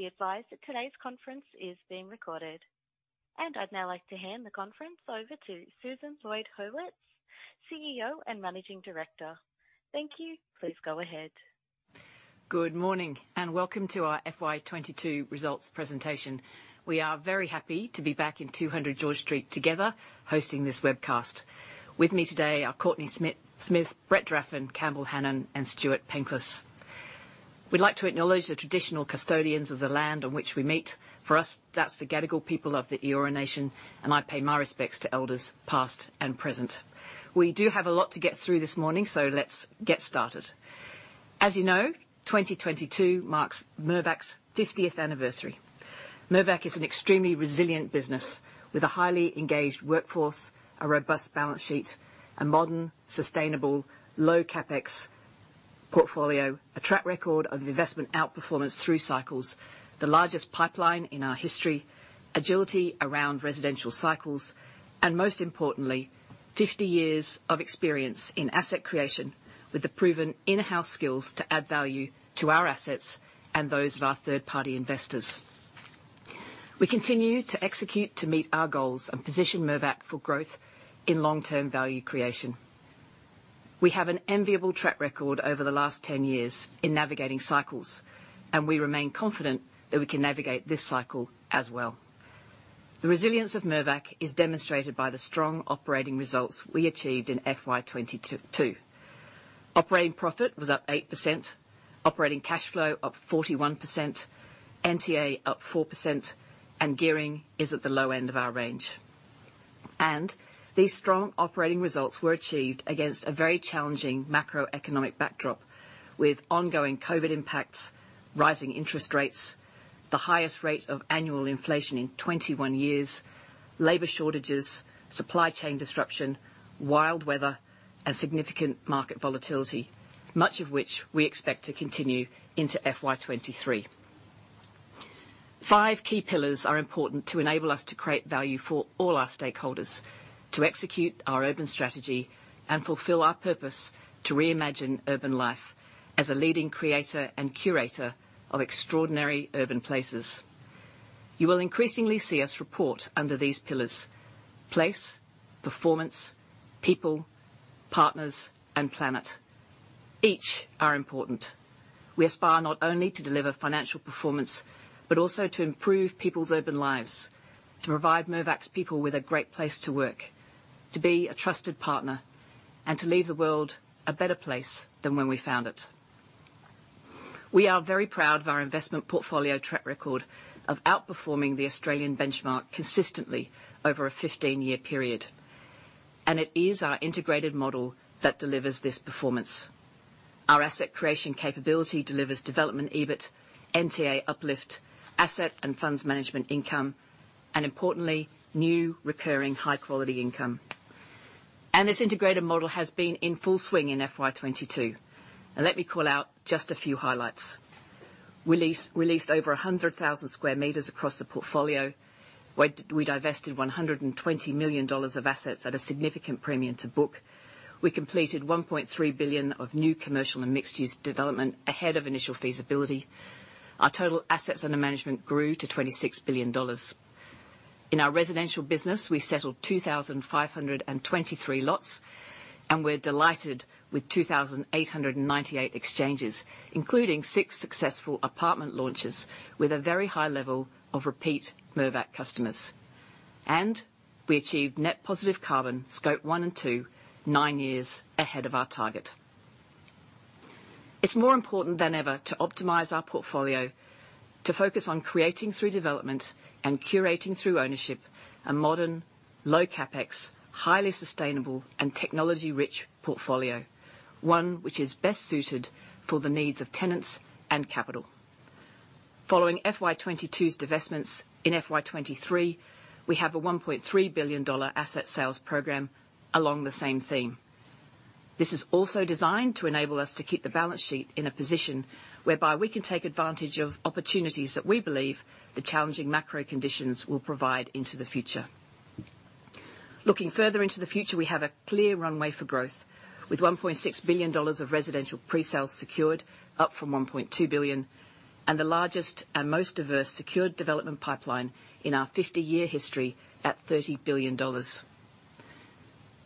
Please be advised that today's conference is being recorded. I'd now like to hand the conference over to Susan Lloyd-Hurwitz, CEO and Managing Director. Thank you. Please go ahead. Good morning, and welcome to our FY 22 results presentation. We are very happy to be back in 200 George Street together hosting this webcast. With me today are Courtenay Smith, Brett Draffen, Campbell Hanan, and Stuart Penklis. We'd like to acknowledge the traditional custodians of the land on which we meet. For us, that's the Gadigal people of the Eora Nation, and I pay my respects to elders, past and present. We do have a lot to get through this morning, so let's get started. As you know, 2022 marks Mirvac's fiftieth anniversary. Mirvac is an extremely resilient business with a highly engaged workforce, a robust balance sheet, a modern, sustainable, low CapEx portfolio, a track record of investment outperformance through cycles, the largest pipeline in our history, agility around residential cycles, and most importantly, 50 years of experience in asset creation with the proven in-house skills to add value to our assets and those of our third-party investors. We continue to execute to meet our goals and position Mirvac for growth in long-term value creation. We have an enviable track record over the last 10 years in navigating cycles, and we remain confident that we can navigate this cycle as well. The resilience of Mirvac is demonstrated by the strong operating results we achieved in FY 2022. Operating profit was up 8%, operating cash flow up 41%, NTA up 4%, and gearing is at the low end of our range. These strong operating results were achieved against a very challenging macroeconomic backdrop with ongoing COVID impacts, rising interest rates, the highest rate of annual inflation in 21 years, labor shortages, supply chain disruption, wild weather, and significant market volatility, much of which we expect to continue into FY 2023. 5 key pillars are important to enable us to create value for all our stakeholders to execute our urban strategy and fulfill our purpose to reimagine urban life as a leading creator and curator of extraordinary urban places. You will increasingly see us report under these pillars place, performance, people, partners, and planet. Each are important. We aspire not only to deliver financial performance, but also to improve people's urban lives, to provide Mirvac's people with a great place to work, to be a trusted partner, and to leave the world a better place than when we found it. We are very proud of our investment portfolio track record of outperforming the Australian benchmark consistently over a 15-year period, and it is our integrated model that delivers this performance. Our asset creation capability delivers development EBIT, NTA uplift, asset and funds management income, and importantly, new recurring high-quality income. This integrated model has been in full swing in FY 2022. Let me call out just a few highlights. Released over 100,000 square meters across the portfolio. We divested 120 million dollars of assets at a significant premium to book. We completed 1.3 billion of new commercial and mixed-use development ahead of initial feasibility. Our total assets under management grew to 26 billion dollars. In our residential business, we settled 2,523 lots, and we're delighted with 2,898 exchanges, including 6 successful apartment launches with a very high level of repeat Mirvac customers. We achieved net positive carbon scope one and two, nine years ahead of our target. It's more important than ever to optimize our portfolio to focus on creating through development and curating through ownership a modern, low CapEx, highly sustainable and technology-rich portfolio, one which is best suited for the needs of tenants and capital. Following FY 2022's divestments in FY 2023, we have a 1.3 billion dollar asset sales program along the same theme. This is also designed to enable us to keep the balance sheet in a position whereby we can take advantage of opportunities that we believe the challenging macro conditions will provide into the future. Looking further into the future, we have a clear runway for growth with 1.6 billion dollars of residential presales secured, up from 1.2 billion, and the largest and most diverse secured development pipeline in our fifty-year history at 30 billion dollars.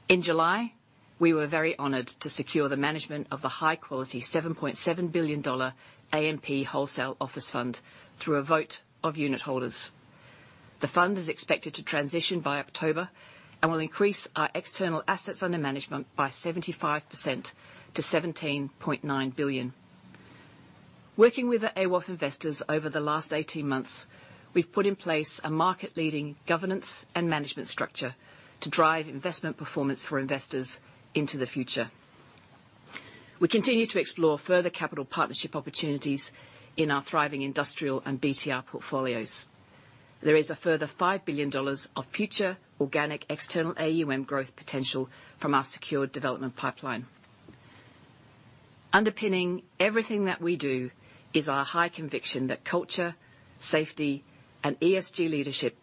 In July, we were very honored to secure the management of the high-quality AUD 7.7 billion AMP Capital Wholesale Office Fund through a vote of unit holders. The fund is expected to transition by October and will increase our external assets under management by 75% to 17.9 billion. Working with the AWOF investors over the last 18 months, we've put in place a market-leading governance and management structure to drive investment performance for investors into the future. We continue to explore further capital partnership opportunities in our thriving industrial and BTR portfolios. There is a further 5 billion dollars of future organic external AUM growth potential from our secured development pipeline. Underpinning everything that we do is our high conviction that culture, safety, and ESG leadership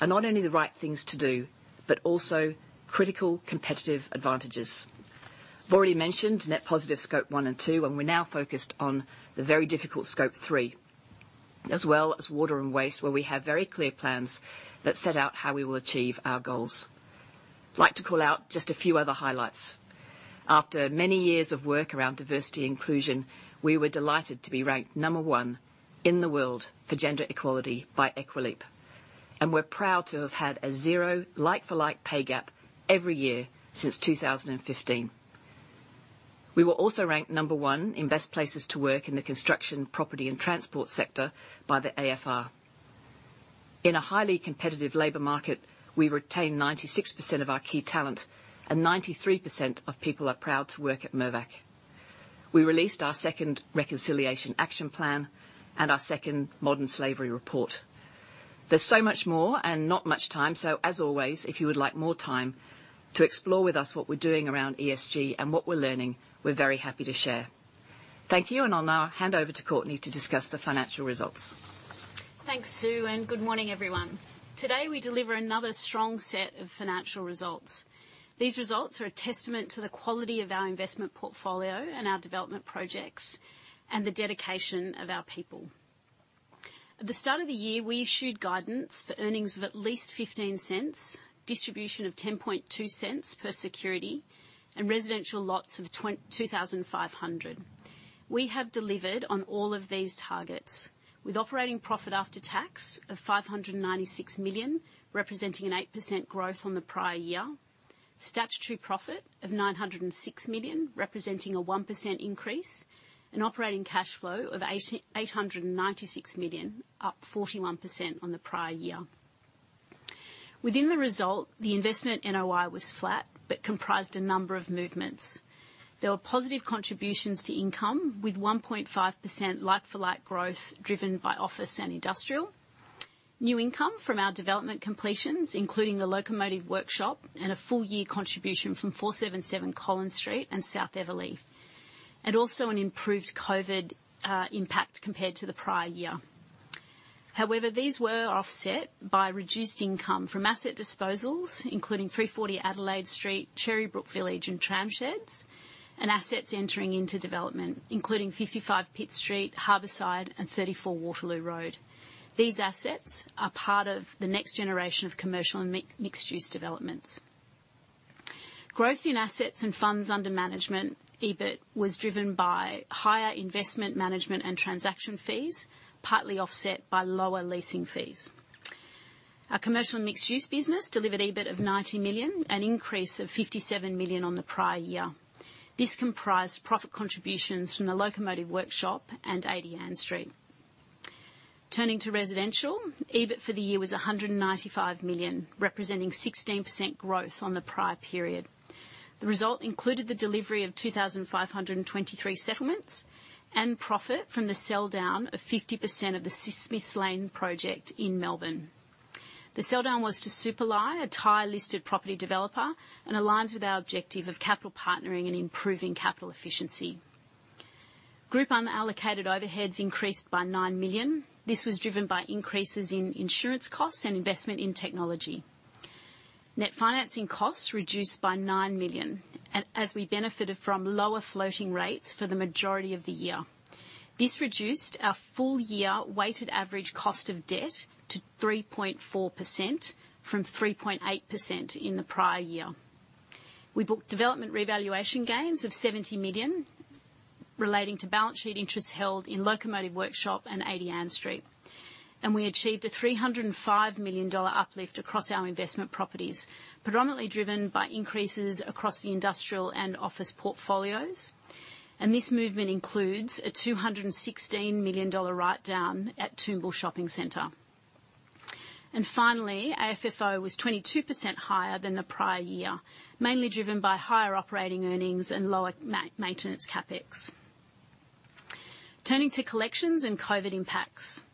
are not only the right things to do, but also critical competitive advantages. I've already mentioned net positive scope 1 and 2, and we're now focused on the very difficult scope 3, as well as water and waste, where we have very clear plans that set out how we will achieve our goals. I'd like to call out just a few other highlights. After many years of work around diversity inclusion, we were delighted to be ranked 1 in the world for gender equality by Equileap, and we're proud to have had a 0 like-for-like pay gap every year since 2015. We were also ranked 1 in best places to work in the construction, property and transport sector by the AFR. In a highly competitive labor market, we retain 96% of our key talent and 93% of people are proud to work at Mirvac. We released our second Reconciliation Action Plan and our second Modern Slavery report. There's so much more and not much time, so as always, if you would like more time to explore with us what we're doing around ESG and what we're learning, we're very happy to share. Thank you, and I'll now hand over to Courtenay to discuss the financial results. Thanks, Sue, and good morning, everyone. Today, we deliver another strong set of financial results. These results are a testament to the quality of our investment portfolio and our development projects and the dedication of our people. At the start of the year, we issued guidance for earnings of at least 0.15, distribution of 0.102 per security, and residential lots of 2,500. We have delivered on all of these targets with operating profit after tax of 596 million, representing an 8% growth on the prior year. Statutory profit of 906 million, representing a 1% increase, and operating cash flow of 896 million, up 41% on the prior year. Within the result, the investment NOI was flat, but comprised a number of movements. There were positive contributions to income, with 1.5% like-for-like growth driven by office and industrial. New income from our development completions, including the Locomotive Workshop and a full year contribution from 477 Collins Street and South Eveleigh. Also an improved COVID impact compared to the prior year. However, these were offset by reduced income from asset disposals, including 340 Adelaide Street, Cherrybrook Village, and Tramsheds, and assets entering into development, including 55 Pitt Street, Harbourside, and 34 Waterloo Road. These assets are part of the next generation of commercial and mixed-use developments. Growth in assets and funds under management, EBIT, was driven by higher investment management and transaction fees, partly offset by lower leasing fees. Our commercial and mixed-use business delivered EBIT of 90 million, an increase of 57 million on the prior year. This comprised profit contributions from the Locomotive Workshop and 80 Ann Street. Turning to residential, EBIT for the year was 195 million, representing 16% growth on the prior period. The result included the delivery of 2,523 settlements and profit from the sell down of 50% of the Smiths Lane project in Melbourne. The sell down was to Supalai, a Thai-listed property developer, and aligns with our objective of capital partnering and improving capital efficiency. Group unallocated overheads increased by 9 million. This was driven by increases in insurance costs and investment in technology. Net financing costs reduced by 9 million, and as we benefited from lower floating rates for the majority of the year. This reduced our full year weighted average cost of debt to 3.4% from 3.8% in the prior year. We booked development revaluation gains of 70 million relating to balance sheet interests held in Locomotive Workshop and 80 Ann Street. We achieved a 305 million dollar uplift across our investment properties, predominantly driven by increases across the industrial and office portfolios. This movement includes a 216 million dollar writedown at Toombul Shopping Centre. Finally, AFFO was 22% higher than the prior year, mainly driven by higher operating earnings and lower maintenance CapEx. Turning to collections and COVID impacts.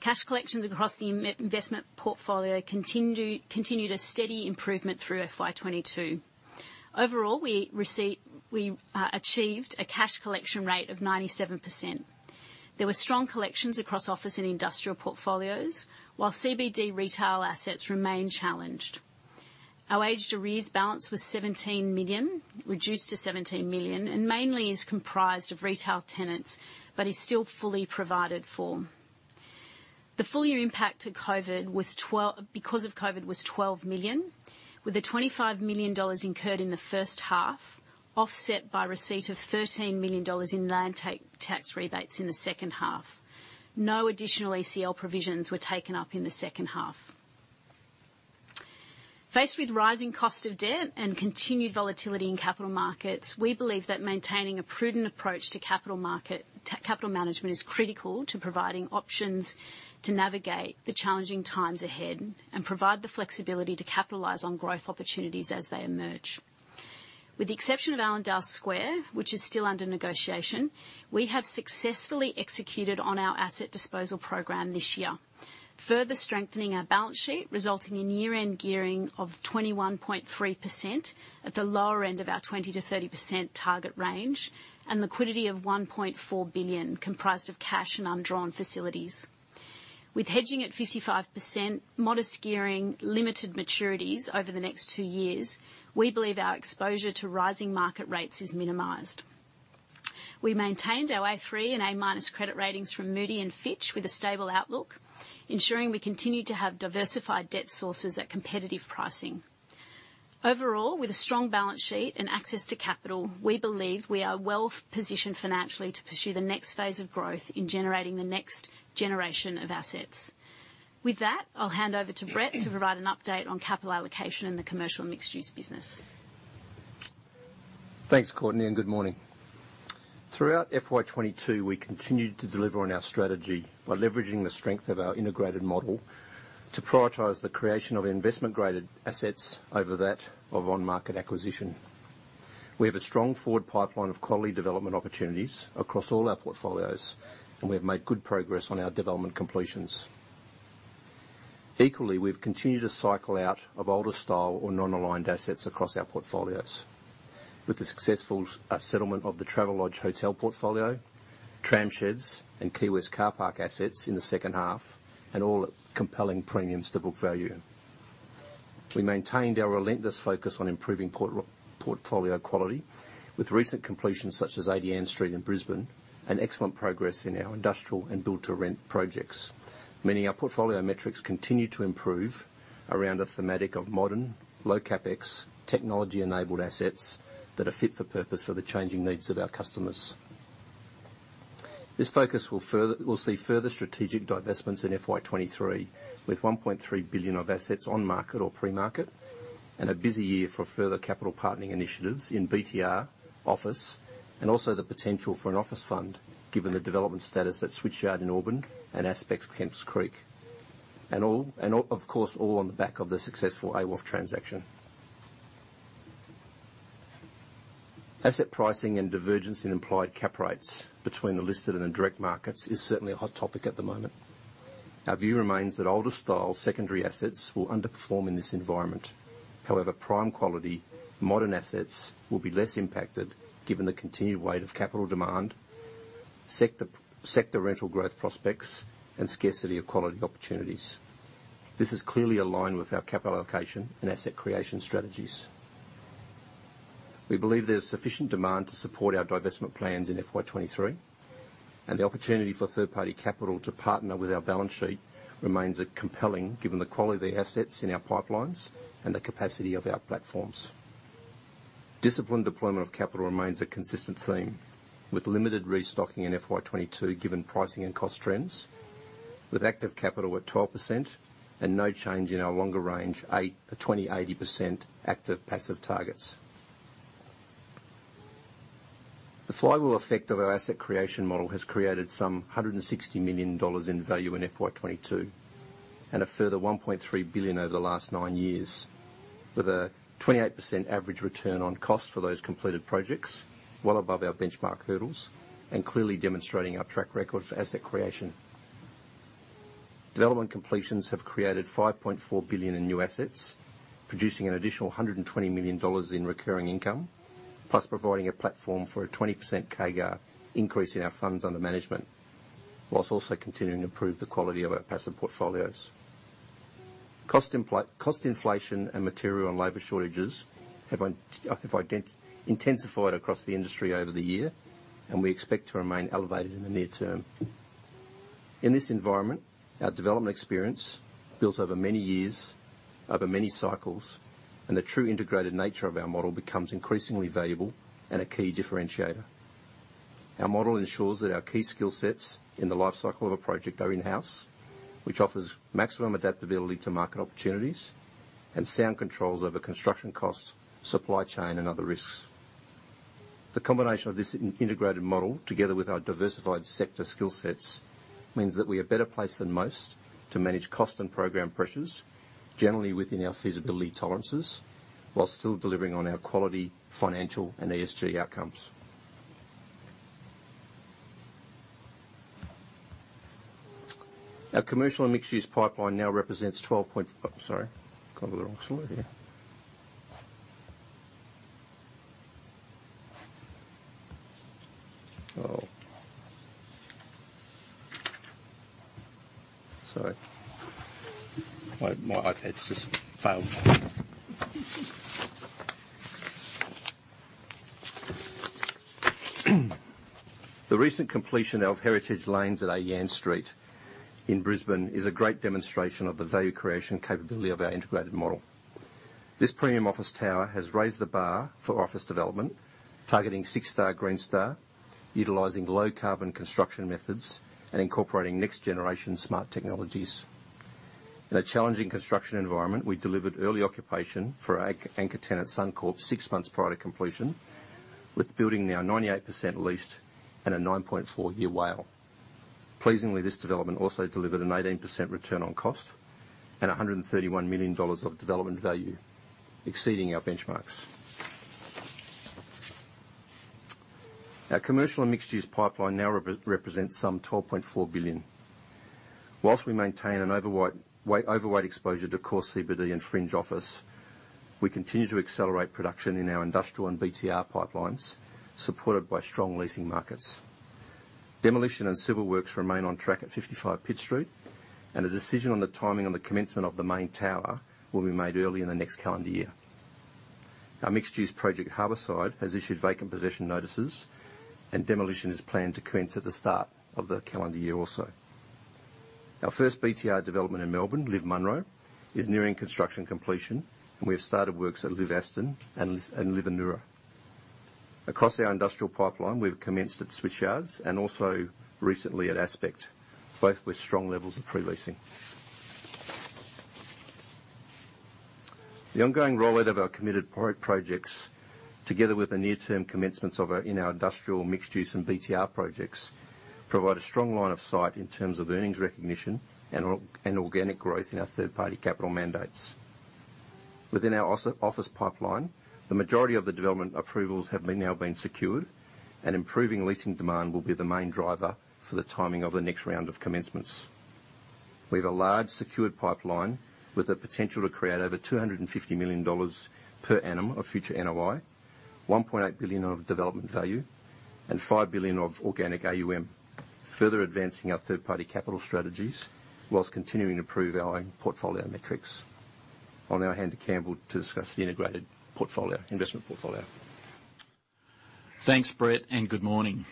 Cash collections across the investment portfolio continued a steady improvement through FY 2022. Overall, we achieved a cash collection rate of 97%. There were strong collections across office and industrial portfolios, while CBD retail assets remain challenged. Our aged arrears balance was 17 million, reduced to 17 million, and mainly is comprised of retail tenants, but is still fully provided for. The full year impact because of COVID was 12 million, with the 25 million dollars incurred in the first half offset by receipt of AUD 13 million in land tax rebates in the second half. No additional ECL provisions were taken up in the second half. Faced with rising cost of debt and continued volatility in capital markets, we believe that maintaining a prudent approach to capital management is critical to providing options to navigate the challenging times ahead and provide the flexibility to capitalize on growth opportunities as they emerge. With the exception of Allendale Square, which is still under negotiation, we have successfully executed on our asset disposal program this year, further strengthening our balance sheet, resulting in year-end gearing of 21.3% at the lower end of our 20%-30% target range, and liquidity of 1.4 billion, comprised of cash and undrawn facilities. With hedging at 55%, modest gearing, limited maturities over the next two years, we believe our exposure to rising market rates is minimized. We maintained our A3 and A- credit ratings from Moody's and Fitch Ratings with a stable outlook, ensuring we continue to have diversified debt sources at competitive pricing. Overall, with a strong balance sheet and access to capital, we believe we are well-positioned financially to pursue the next phase of growth in generating the next generation of assets. With that, I'll hand over to Brett to provide an update on capital allocation in the commercial mixed-use business. Thanks, Courtenay, and good morning. Throughout FY 2022, we continued to deliver on our strategy by leveraging the strength of our integrated model to prioritize the creation of investment-graded assets over that of on-market acquisition. We have a strong forward pipeline of quality development opportunities across all our portfolios, and we have made good progress on our development completions. Equally, we've continued to cycle out of older style or non-aligned assets across our portfolios. With the successful settlement of the Travelodge Hotel portfolio, Tramsheds and Quay West car park assets in the second half, at very compelling premiums to book value. We maintained our relentless focus on improving portfolio quality with recent completions such as 80 Ann Street in Brisbane, and excellent progress in our industrial and build-to-rent projects. Meaning our portfolio metrics continue to improve around a thematic of modern, low CapEx, technology-enabled assets that are fit for purpose for the changing needs of our customers. This focus will see further strategic divestments in FY 2023, with 1.3 billion of assets on market or pre-market, and a busy year for further capital partnering initiatives in BTR office, and also the potential for an office fund, given the development status at Switchyard in Auburn and Aspect Kemps Creek. Of course, all on the back of the successful AWOF transaction. Asset pricing and divergence in implied cap rates between the listed and the direct markets is certainly a hot topic at the moment. Our view remains that older style secondary assets will underperform in this environment. However, prime quality modern assets will be less impacted given the continued weight of capital demand, sector rental growth prospects, and scarcity of quality opportunities. This is clearly aligned with our capital allocation and asset creation strategies. We believe there's sufficient demand to support our divestment plans in FY 2023, and the opportunity for third-party capital to partner with our balance sheet remains compelling given the quality of the assets in our pipelines and the capacity of our platforms. Disciplined deployment of capital remains a consistent theme, with limited restocking in FY 2022, given pricing and cost trends, with active capital at 12% and no change in our longer-range 8%-20%/80% active, passive targets. The flywheel effect of our asset creation model has created some 160 million dollars in value in FY 2022, and a further 1.3 billion over the last nine years. With a 28% average return on cost for those completed projects, well above our benchmark hurdles and clearly demonstrating our track record for asset creation. Development completions have created 5.4 billion in new assets, producing an additional 120 million dollars in recurring income, plus providing a platform for a 20% CAGR increase in our funds under management, whilst also continuing to improve the quality of our passive portfolios. Cost inflation and material and labor shortages have intensified across the industry over the year, and we expect to remain elevated in the near term. In this environment, our development experience, built over many years, over many cycles, and the true integrated nature of our model, becomes increasingly valuable and a key differentiator. Our model ensures that our key skill sets in the life cycle of a project are in-house, which offers maximum adaptability to market opportunities and sound controls over construction cost, supply chain, and other risks. The combination of this integrated model, together with our diversified sector skill sets, means that we are better placed than most to manage cost and program pressures, generally within our feasibility tolerances, while still delivering on our quality, financial, and ESG outcomes. Our commercial and mixed-use pipeline now represents. Oh, sorry. Gone to the wrong slide here. Oh. Sorry. My iPad's just failed. The recent completion of Heritage Lanes at Ann Street in Brisbane is a great demonstration of the value creation capability of our integrated model. This premium office tower has raised the bar for office development, targeting six-star Green Star, utilizing low carbon construction methods and incorporating next-generation smart technologies. In a challenging construction environment, we delivered early occupation for our anchor tenant, Suncorp, six months prior to completion, with the building now 98% leased and a 9.4-year WALE. Pleasingly, this development also delivered an 18% return on cost and 131 million dollars of development value exceeding our benchmarks. Our commercial and mixed-use pipeline now represents some 12.4 billion. While we maintain an overweight exposure to core CBD and fringe office. We continue to accelerate production in our industrial and BTR pipelines, supported by strong leasing markets. Demolition and civil works remain on track at 55 Pitt Street, and a decision on the timing on the commencement of the main tower will be made early in the next calendar year. Our mixed-use project, Harbourside, has issued vacant possession notices, and demolition is planned to commence at the start of the calendar year also. Our first BTR development in Melbourne, LIV Munro, is nearing construction completion, and we have started works at LIV Aston and LIV Anura. Across our industrial pipeline, we've commenced at Switchyard and also recently at Aspect, both with strong levels of pre-leasing. The ongoing rollout of our committed projects, together with the near-term commencements of our in our industrial mixed-use and BTR projects, provide a strong line of sight in terms of earnings recognition and organic growth in our third-party capital mandates. Within our office pipeline, the majority of the development approvals have now been secured, and improving leasing demand will be the main driver for the timing of the next round of commencements. We have a large secured pipeline with the potential to create over 250 million dollars per annum of future NOI, 1.8 billion of development value, and 5 billion of organic AUM, further advancing our third-party capital strategies while continuing to prove our own portfolio metrics. I'll now hand to Campbell to discuss the integrated portfolio, investment portfolio. Thanks, Brett, and good morning.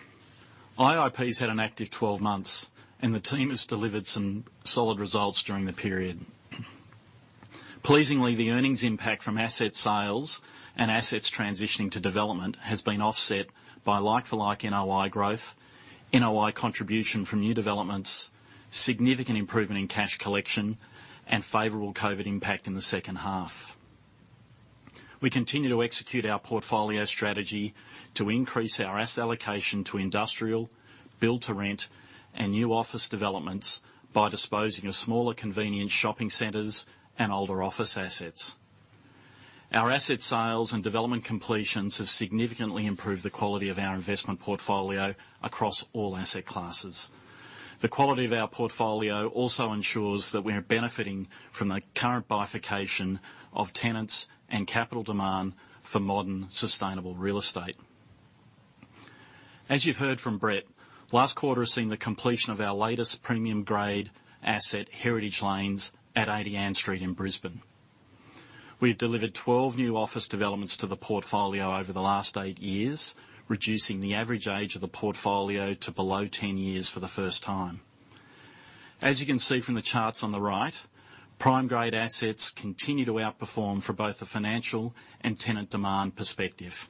IOP's had an active 12 months, and the team has delivered some solid results during the period. Pleasingly, the earnings impact from asset sales and assets transitioning to development has been offset by like-for-like NOI growth, NOI contribution from new developments, significant improvement in cash collection, and favorable COVID impact in the second half. We continue to execute our portfolio strategy to increase our asset allocation to industrial, build-to-rent, and new office developments by disposing of smaller convenience shopping centers and older office assets. Our asset sales and development completions have significantly improved the quality of our investment portfolio across all asset classes. The quality of our portfolio also ensures that we are benefiting from the current bifurcation of tenants and capital demand for modern, sustainable real estate. As you've heard from Brett, last quarter has seen the completion of our latest premium grade asset, Heritage Lanes, at 80 Ann Street in Brisbane. We've delivered 12 new office developments to the portfolio over the last 8 years, reducing the average age of the portfolio to below 10 years for the first time. As you can see from the charts on the right, prime grade assets continue to outperform for both the financial and tenant demand perspective.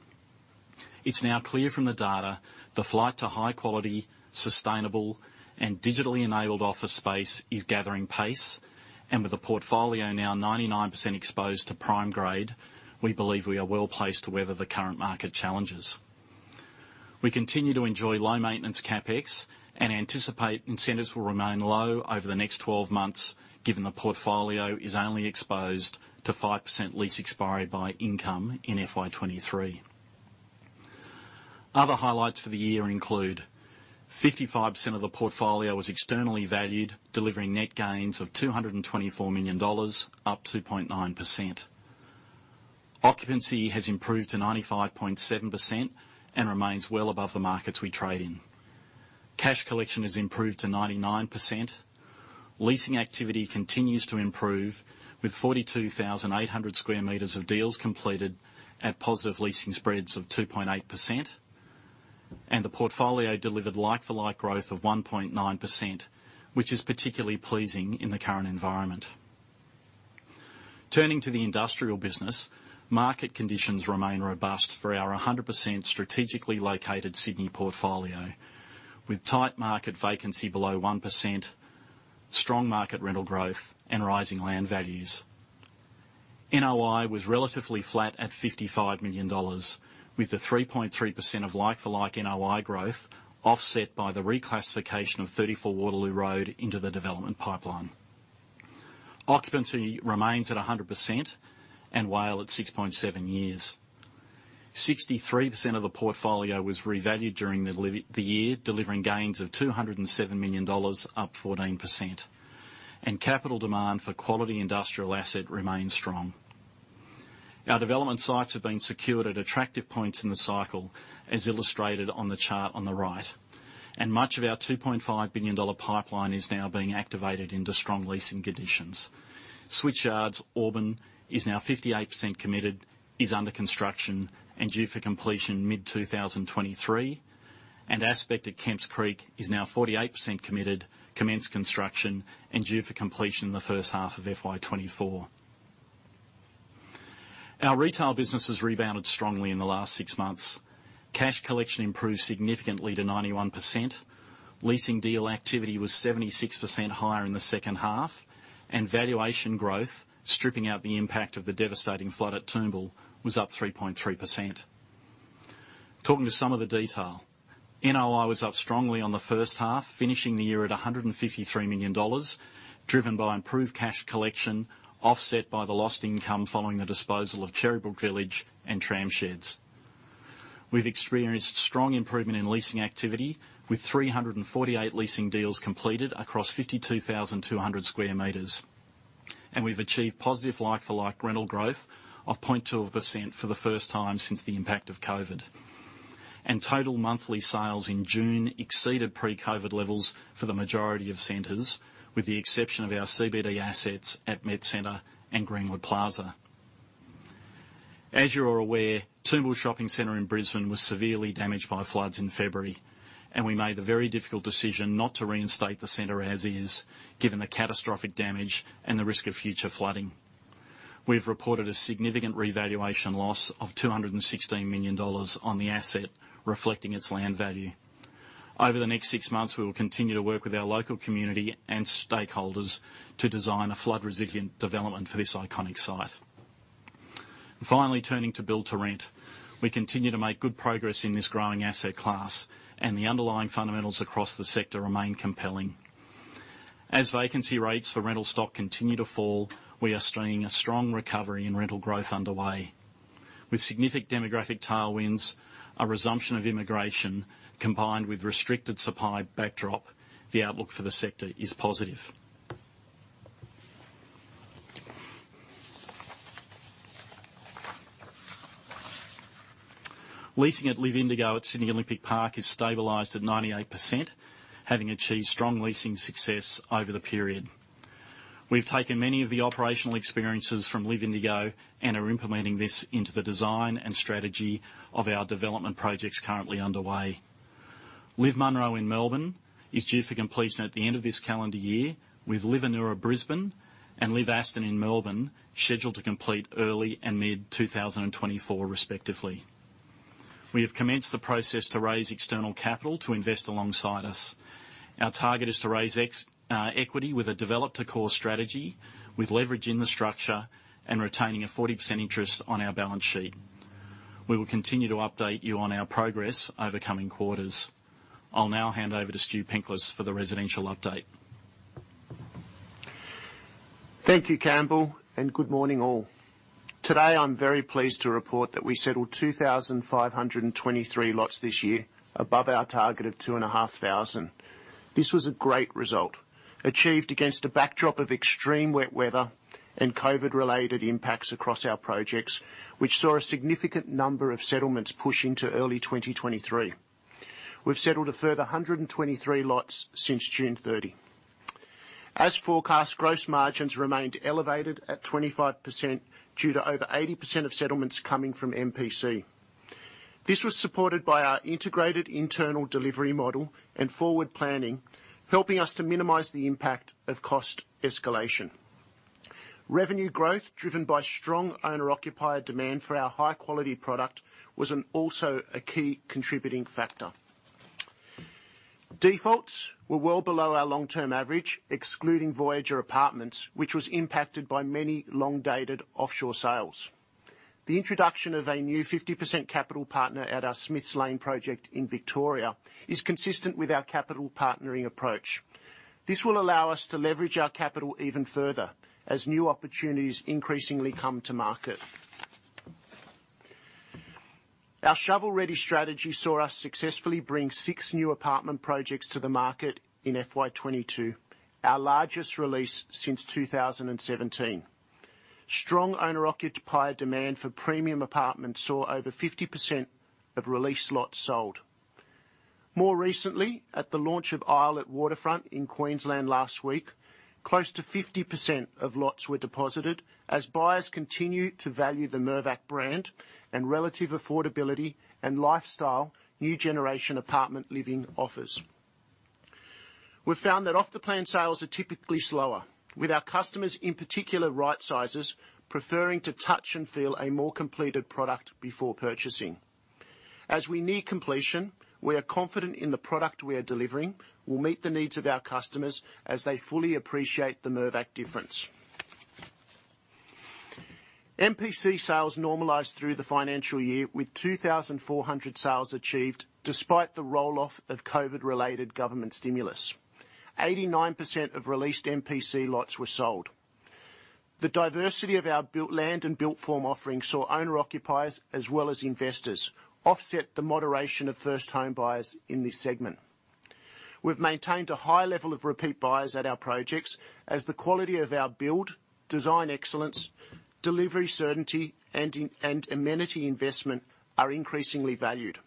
It's now clear from the data the flight to high quality, sustainable, and digitally enabled office space is gathering pace, and with the portfolio now 99% exposed to prime grade, we believe we are well placed to weather the current market challenges. We continue to enjoy low maintenance CapEx and anticipate incentives will remain low over the next 12 months, given the portfolio is only exposed to 5% lease expiry by income in FY 2023. Other highlights for the year include 55% of the portfolio was externally valued, delivering net gains of 224 million dollars, up 2.9%. Occupancy has improved to 95.7% and remains well above the markets we trade in. Cash collection has improved to 99%. Leasing activity continues to improve with 42,800 square meters of deals completed at positive leasing spreads of 2.8%. The portfolio delivered like-for-like growth of 1.9%, which is particularly pleasing in the current environment. Turning to the industrial business, market conditions remain robust for our 100% strategically located Sydney portfolio, with tight market vacancy below 1%, strong market rental growth, and rising land values. NOI was relatively flat at 55 million dollars, with the 3.3% of like-for-like NOI growth offset by the reclassification of 34 Waterloo Road into the development pipeline. Occupancy remains at 100% and WALE at 6.7 years. 63% of the portfolio was revalued during the year, delivering gains of 207 million dollars, up 14%. Capital demand for quality industrial asset remains strong. Our development sites have been secured at attractive points in the cycle, as illustrated on the chart on the right, and much of our 2.5 billion dollar pipeline is now being activated into strong leasing conditions. Switchyard Auburn is now 58% committed, is under construction, and due for completion mid-2023. Aspect at Kemps Creek is now 48% committed, commenced construction, and due for completion in the first half of FY 2024. Our retail business has rebounded strongly in the last six months. Cash collection improved significantly to 91%. Leasing deal activity was 76% higher in the second half, and valuation growth, stripping out the impact of the devastating flood at Toombul, was up 3.3%. Talking to some of the detail, NOI was up strongly on the first half, finishing the year at 153 million dollars, driven by improved cash collection, offset by the lost income following the disposal of Cherrybrook Village and Tramsheds. We've experienced strong improvement in leasing activity with 348 leasing deals completed across 52,200 square meters. We've achieved positive like-for-like rental growth of 0.2% for the first time since the impact of COVID. Total monthly sales in June exceeded pre-COVID levels for the majority of centers, with the exception of our CBD assets at MetCentre and Greenwood Plaza. As you are aware, Toombul Shopping Center in Brisbane was severely damaged by floods in February, and we made the very difficult decision not to reinstate the center as is, given the catastrophic damage and the risk of future flooding. We've reported a significant revaluation loss of 216 million dollars on the asset, reflecting its land value. Over the next six months, we will continue to work with our local community and stakeholders to design a flood-resilient development for this iconic site. Finally, turning to build-to-rent. We continue to make good progress in this growing asset class, and the underlying fundamentals across the sector remain compelling. As vacancy rates for rental stock continue to fall, we are seeing a strong recovery in rental growth underway. With significant demographic tailwinds, a resumption of immigration, combined with restricted supply backdrop, the outlook for the sector is positive. Leasing at LIV Indigo at Sydney Olympic Park is stabilized at 98%, having achieved strong leasing success over the period. We've taken many of the operational experiences from LIV Indigo and are implementing this into the design and strategy of our development projects currently underway. LIV Munro in Melbourne is due for completion at the end of this calendar year, with LIV Anura Brisbane and LIV Aston in Melbourne scheduled to complete early and mid-2024 respectively. We have commenced the process to raise external capital to invest alongside us. Our target is to raise equity with a develop-to-core strategy, with leverage in the structure and retaining a 40% interest on our balance sheet. We will continue to update you on our progress over coming quarters. I'll now hand over to Stu Penklis for the residential update. Thank you, Campbell, and good morning all. Today, I'm very pleased to report that we settled 2,523 lots this year, above our target of 2,500. This was a great result, achieved against a backdrop of extreme wet weather and COVID-related impacts across our projects, which saw a significant number of settlements push into early 2023. We've settled a further 123 lots since June 30. As forecast, gross margins remained elevated at 25% due to over 80% of settlements coming from MPC. This was supported by our integrated internal delivery model and forward planning, helping us to minimize the impact of cost escalation. Revenue growth, driven by strong owner-occupied demand for our high-quality product, was also a key contributing factor. Defaults were well below our long-term average, excluding Voyager Apartments, which was impacted by many long-dated offshore sales. The introduction of a new 50% capital partner at our Smiths Lane project in Victoria is consistent with our capital partnering approach. This will allow us to leverage our capital even further as new opportunities increasingly come to market. Our shovel-ready strategy saw us successfully bring 6 new apartment projects to the market in FY 2022, our largest release since 2017. Strong owner-occupied demand for premium apartments saw over 50% of released lots sold. More recently, at the launch of Isle at Waterfront in Queensland last week, close to 50% of lots were deposited as buyers continued to value the Mirvac brand and relative affordability and lifestyle new generation apartment living offers. We found that off-the-plan sales are typically slower, with our customers, in particular right-sizes, preferring to touch and feel a more completed product before purchasing. As we near completion, we are confident in the product we are delivering will meet the needs of our customers as they fully appreciate the Mirvac difference. MPC sales normalized through the financial year with 2,400 sales achieved despite the roll-off of COVID-related government stimulus. 89% of released MPC lots were sold. The diversity of our built land and built form offerings saw owner-occupiers as well as investors offset the moderation of first home buyers in this segment. We've maintained a high level of repeat buyers at our projects as the quality of our build, design excellence, delivery certainty, and amenity investment are increasingly valued.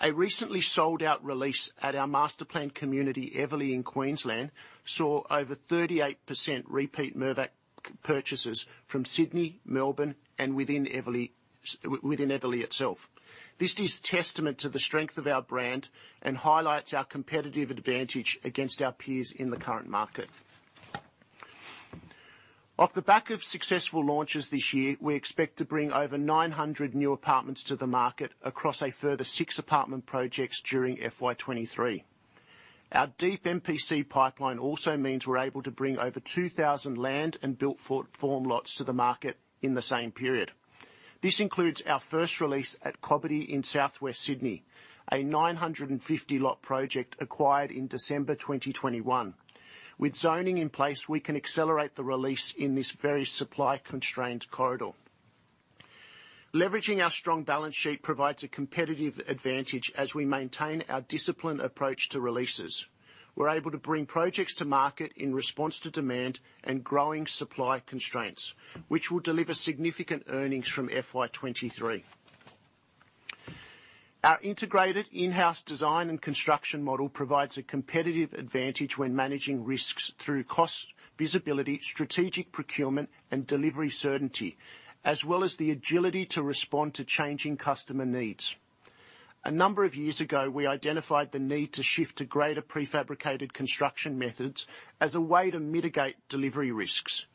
A recently sold-out release at our master planned community, Everleigh in Queensland, saw over 38% repeat Mirvac purchases from Sydney, Melbourne, and within Everleigh itself. This is testament to the strength of our brand and highlights our competitive advantage against our peers in the current market. Off the back of successful launches this year, we expect to bring over 900 new apartments to the market across a further six apartment projects during FY 2023. Our deep MPC pipeline also means we're able to bring over 2,000 land and built-form lots to the market in the same period. This includes our first release at Cobbitty in Southwest Sydney, a 950 lot project acquired in December 2021. With zoning in place, we can accelerate the release in this very supply-constrained corridor. Leveraging our strong balance sheet provides a competitive advantage as we maintain our disciplined approach to releases. We're able to bring projects to market in response to demand and growing supply constraints, which will deliver significant earnings from FY 2023. Our integrated in-house design and construction model provides a competitive advantage when managing risks through cost, visibility, strategic procurement, and delivery certainty, as well as the agility to respond to changing customer needs. A number of years ago, we identified the need to shift to greater prefabricated construction methods as a way to mitigate delivery risks.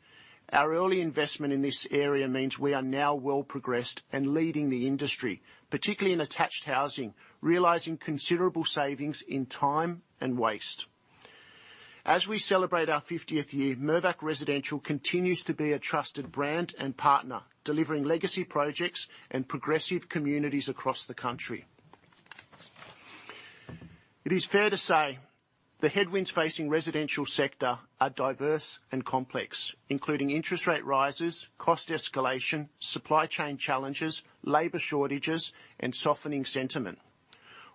Our early investment in this area means we are now well progressed and leading the industry, particularly in attached housing, realizing considerable savings in time and waste. As we celebrate our fiftieth year, Mirvac Residential continues to be a trusted brand and partner, delivering legacy projects and progressive communities across the country. It is fair to say the headwinds facing residential sector are diverse and complex, including interest rate rises, cost escalation, supply chain challenges, labor shortages, and softening sentiment.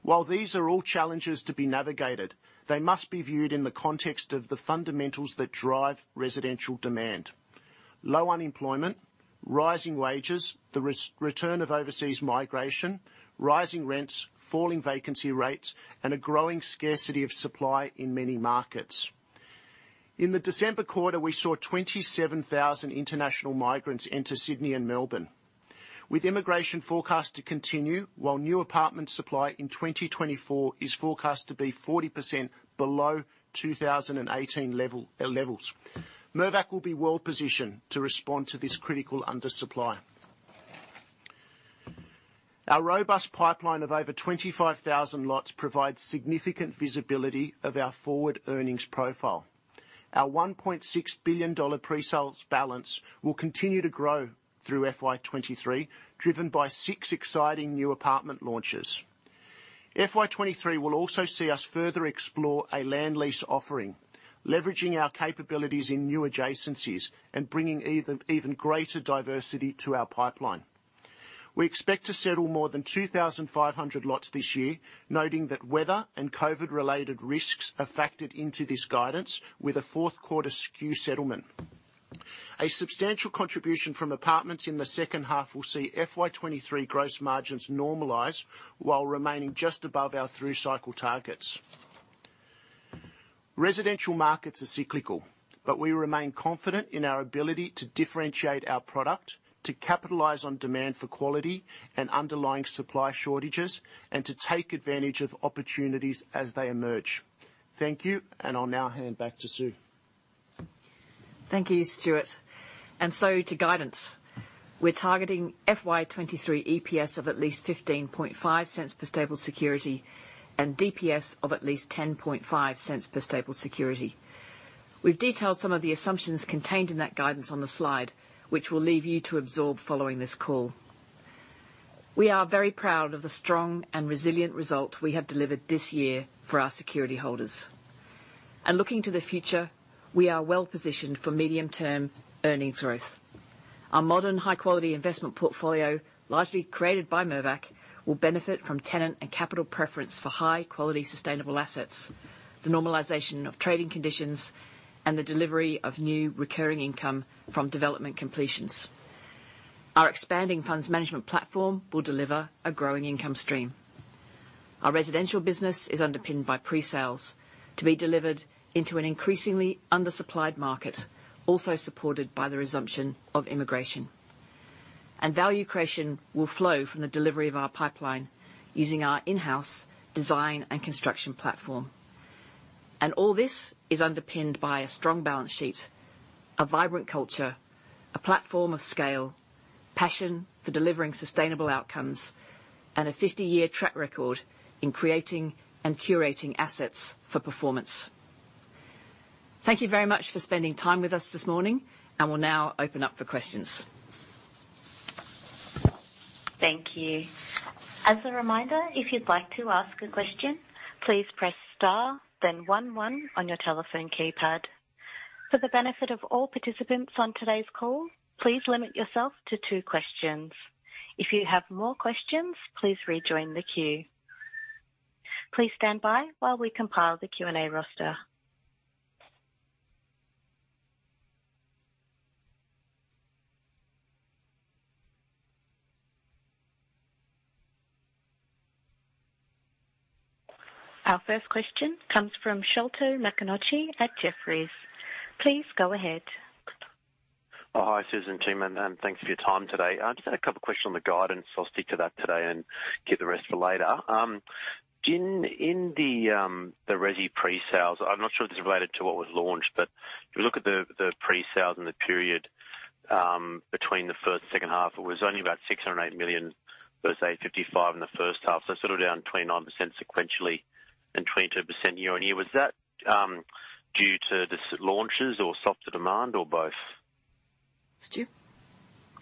While these are all challenges to be navigated, they must be viewed in the context of the fundamentals that drive residential demand. Low unemployment, rising wages, the resurgence of overseas migration, rising rents, falling vacancy rates, and a growing scarcity of supply in many markets. In the December quarter, we saw 27,000 international migrants enter Sydney and Melbourne. With immigration forecast to continue, while new apartment supply in 2024 is forecast to be 40% below 2018 levels. Mirvac will be well positioned to respond to this critical undersupply. Our robust pipeline of over 25,000 lots provides significant visibility of our forward earnings profile. Our 1.6 billion dollar pre-sales balance will continue to grow through FY 2023, driven by six exciting new apartment launches. FY 2023 will also see us further explore a land lease offering, leveraging our capabilities in new adjacencies and bringing even greater diversity to our pipeline. We expect to settle more than 2,500 lots this year, noting that weather and COVID-related risks are factored into this guidance with a fourth quarter skew settlement. A substantial contribution from apartments in the second half will see FY 2023 gross margins normalize while remaining just above our through cycle targets. Residential markets are cyclical, but we remain confident in our ability to differentiate our product, to capitalize on demand for quality and underlying supply shortages, and to take advantage of opportunities as they emerge. Thank you, and I'll now hand back to Sue. Thank you, Stuart. To guidance. We're targeting FY 2023 EPS of at least 0.155 per stapled security and DPS of at least 0.105 per stapled security. We've detailed some of the assumptions contained in that guidance on the slide, which we'll leave you to absorb following this call. We are very proud of the strong and resilient result we have delivered this year for our security holders. Looking to the future, we are well positioned for medium-term earning growth. Our modern, high-quality investment portfolio, largely created by Mirvac, will benefit from tenant and capital preference for high-quality, sustainable assets, the normalization of trading conditions, and the delivery of new recurring income from development completions. Our expanding funds management platform will deliver a growing income stream. Our residential business is underpinned by pre-sales to be delivered into an increasingly undersupplied market, also supported by the resumption of immigration. Value creation will flow from the delivery of our pipeline using our in-house design and construction platform. All this is underpinned by a strong balance sheet, a vibrant culture, a platform of scale, passion for delivering sustainable outcomes, and a 50-year track record in creating and curating assets for performance. Thank you very much for spending time with us this morning, and we'll now open up for questions. Thank you. As a reminder, if you'd like to ask a question, please press star then one one on your telephone keypad. For the benefit of all participants on today's call, please limit yourself to two questions. If you have more questions, please rejoin the queue. Please stand by while we compile the Q&A roster. Our first question comes from Sholto Maconochie at Jefferies. Please go ahead. Hi, Sue and team, thanks for your time today. I just had a couple questions on the guidance, so I'll stick to that today and keep the rest for later. In the resi pre-sales, I'm not sure if this is related to what was launched, but if you look at the pre-sales in the period between the first and second half, it was only about 608 million versus 85 million in the first half. Sort of down 29% sequentially and 22% year-on-year. Was that due to the slower launches or softer demand or both? Stu?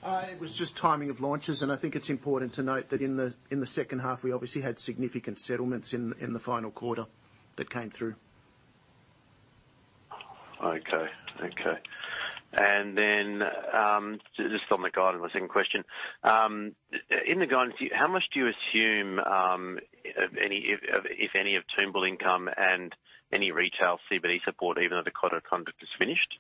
It was just timing of launches, and I think it's important to note that in the second half, we obviously had significant settlements in the final quarter that came through. Okay. Then, just on the guide, my second question. In the guidance, how much do you assume any of, if any of Toombul income and any retail CBD support, even though the code of conduct is finished?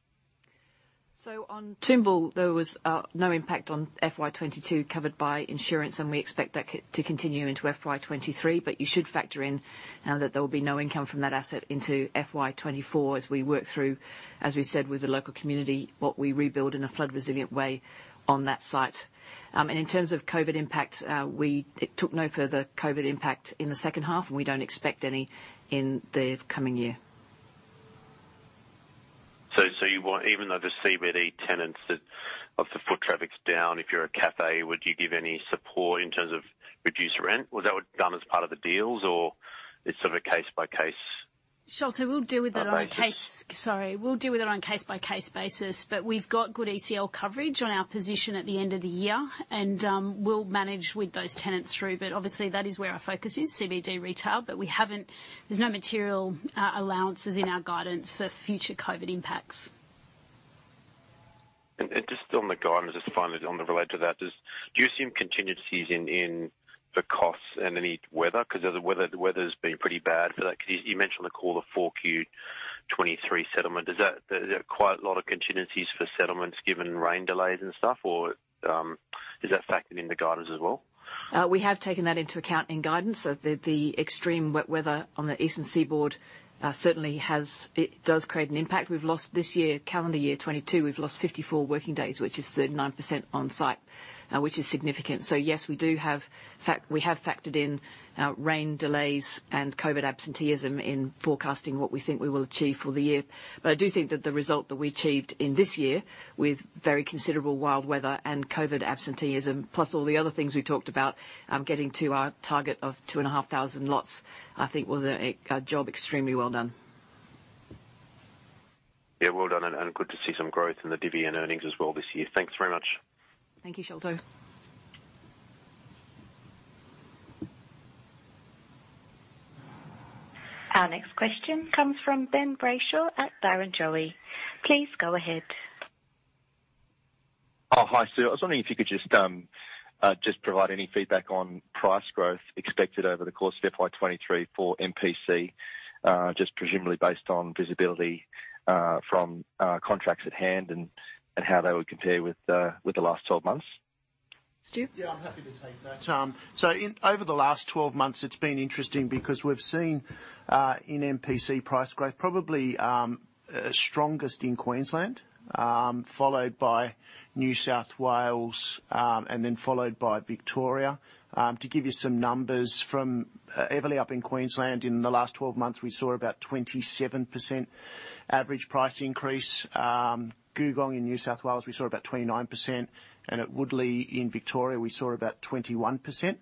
On Toombul, there was no impact on FY 2022 covered by insurance, and we expect that to continue into FY 2023. You should factor in now that there will be no income from that asset into FY 2024 as we work through, as we said with the local community, what we rebuild in a flood resilient way on that site. In terms of COVID impacts, it took no further COVID impact in the second half, and we don't expect any in the coming year. Even though the CBD tenants, the foot traffic's down, if you're a café, would you give any support in terms of reduced rent? Was that what done as part of the deals or it's sort of a case by case? Sholto, we'll deal with it on case. Basis. Sorry. We'll deal with it on case by case basis, but we've got good ECL coverage on our position at the end of the year, and we'll manage with those tenants through. Obviously that is where our focus is, CBD retail. There's no material allowances in our guidance for future COVID impacts. Just on the guidance, just finally on the related to that, do you see any contingencies in the costs and any weather? 'Cause the weather's been pretty bad for that. 'Cause you mentioned the Q4 2023 settlement. Is there quite a lot of contingencies for settlements given rain delays and stuff? Or, is that factored in the guidance as well? We have taken that into account in guidance. The extreme wet weather on the eastern seaboard certainly has. It does create an impact. We've lost this year, calendar year 2022, 54 working days, which is 39% on site, which is significant. Yes, we have factored in rain delays and COVID absenteeism in forecasting what we think we will achieve for the year. I do think that the result that we achieved in this year with very considerable wild weather and COVID absenteeism, plus all the other things we talked about, getting to our target of 2,500 lots, was a job extremely well done. Yeah, well done, and good to see some growth in the divi and earnings as well this year. Thanks very much. Thank you, Sholto. Our next question comes from Ben Brayshaw at Barrenjoey. Please go ahead. Oh, hi, Stu. I was wondering if you could just provide any feedback on price growth expected over the course of FY 2023 for MPC, just presumably based on visibility from contracts at hand and how they would compare with the last 12 months. Stu? Yeah, I'm happy to take that. Over the last 12 months it's been interesting because we've seen in MPC price growth probably strongest in Queensland, followed by New South Wales, and then followed by Victoria. To give you some numbers, from Everleigh up in Queensland in the last 12 months, we saw about 27% average price increase. Googong in New South Wales, we saw about 29%, and at Woodlea in Victoria, we saw about 21%.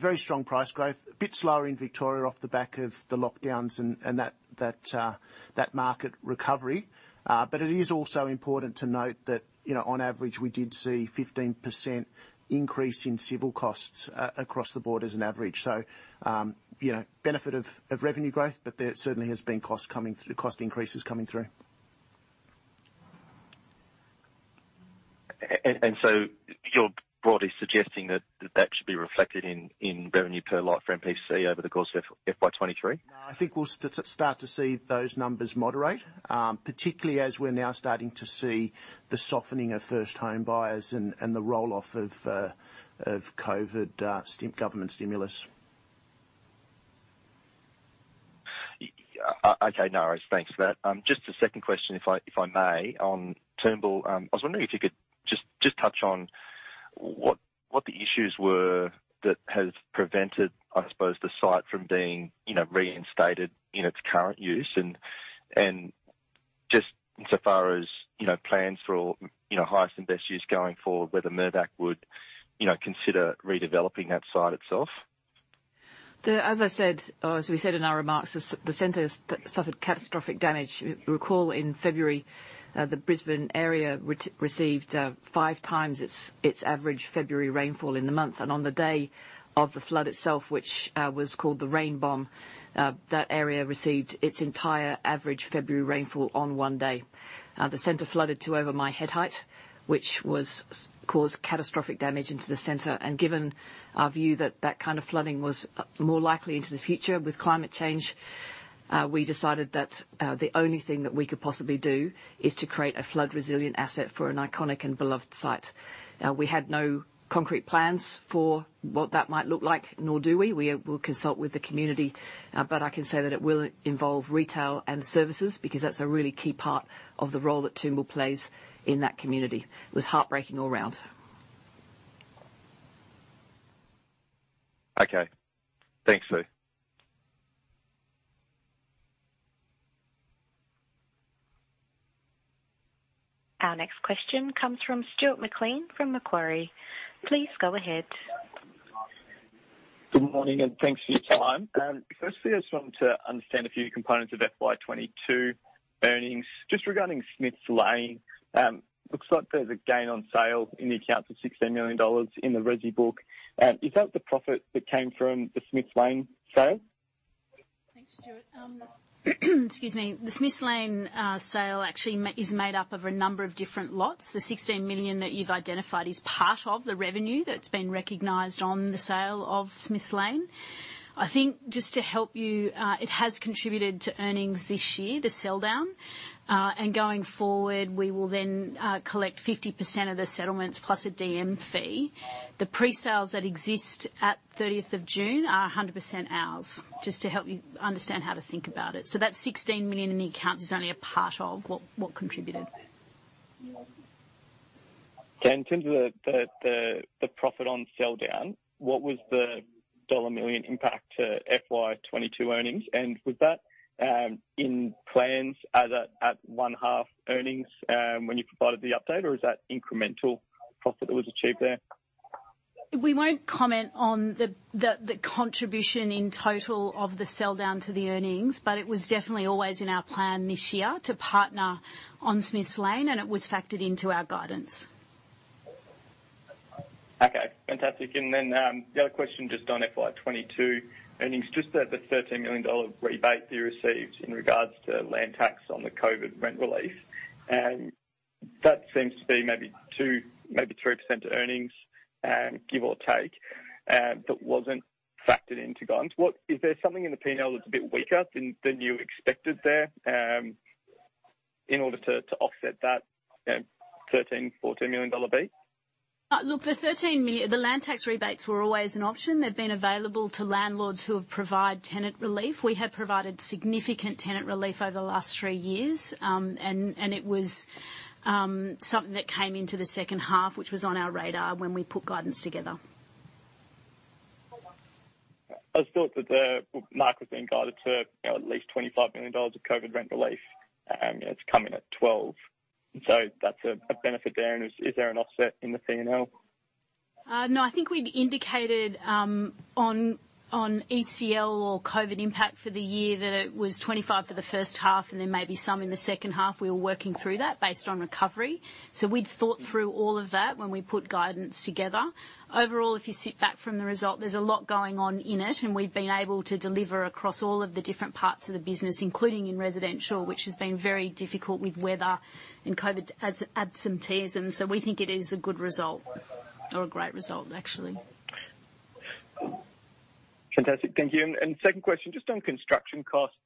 Very strong price growth. A bit slower in Victoria off the back of the lockdowns and that market recovery. It is also important to note that, you know, on average, we did see 15% increase in civil costs across the board as an average. You know, benefit of revenue growth, but there certainly has been cost increases coming through. You're broadly suggesting that should be reflected in revenue per lot for MPC over the course of FY 23? No, I think we'll start to see those numbers moderate, particularly as we're now starting to see the softening of first home buyers and the roll-off of COVID government stimulus. Yeah. Okay, no worries. Thanks for that. Just a second question, if I may. On Toombul, I was wondering if you could just touch on what the issues were that has prevented, I suppose, the site from being, you know, reinstated in its current use and just insofar as, you know, plans for, you know, highest and best use going forward, whether Mirvac would, you know, consider redeveloping that site itself. As I said, as we said in our remarks, the center has suffered catastrophic damage. You recall in February, the Brisbane area received five times its average February rainfall in the month. On the day of the flood itself, which was called the rain bomb, that area received its entire average February rainfall on one day. The center flooded to over my head height, which caused catastrophic damage into the center. Given our view that that kind of flooding was more likely in the future with climate change, we decided that the only thing that we could possibly do is to create a flood resilient asset for an iconic and beloved site. We had no concrete plans for what that might look like, nor do we. We will consult with the community. I can say that it will involve retail and services because that's a really key part of the role that Toombul plays in that community. It was heartbreaking all around. Okay. Thanks, Sue. Our next question comes from Stuart McLean from Macquarie. Please go ahead. Good morning, and thanks for your time. Firstly, I just want to understand a few components of FY 2022 earnings. Just regarding Smiths Lane, looks like there's a gain on sale in the accounts of 16 million dollars in the resi book. Is that the profit that came from the Smiths Lane sale? Thanks, Stuart. The Smiths Lane sale actually is made up of a number of different lots. The 16 million that you've identified is part of the revenue that's been recognized on the sale of Smiths Lane. I think just to help you, it has contributed to earnings this year, the sell down. Going forward, we will then collect 50% of the settlements plus a DM fee. The pre-sales that exist at 30th of June are 100% ours, just to help you understand how to think about it. That 16 million in the account is only a part of what contributed. Okay. In terms of the profit on sell down, what was the dollar million impact to FY22 earnings? Was that in plans as at 1H earnings when you provided the update? Or is that incremental profit that was achieved there? We won't comment on the contribution in total of the sell down to the earnings, but it was definitely always in our plan this year to partner on Smiths Lane, and it was factored into our guidance. Okay, fantastic. The other question just on FY22 earnings, just the 13 million dollar rebate you received in regards to land tax on the COVID rent relief. That seems to be maybe 2, maybe 3% earnings, give or take, that wasn't factored into guidance. Is there something in the P&L that's a bit weaker than you expected there, in order to offset that, you know, 13 million-14 million dollar fee? Look, the land tax rebates were always an option. They've been available to landlords who have provided tenant relief. We have provided significant tenant relief over the last three years. It was something that came into the second half, which was on our radar when we put guidance together. I just thought that the market was being guided to, you know, at least 25 million dollars of COVID rent relief. It's come in at 12 million. That's a benefit there. Is there an offset in the P&L? No. I think we'd indicated on ECL or COVID impact for the year that it was 25 for the first half and then maybe some in the second half. We were working through that based on recovery. We'd thought through all of that when we put guidance together. Overall, if you sit back from the result, there's a lot going on in it, and we've been able to deliver across all of the different parts of the business, including in residential, which has been very difficult with weather and COVID as it adds some tears in. We think it is a good result or a great result, actually. Fantastic. Thank you. Second question, just on construction costs.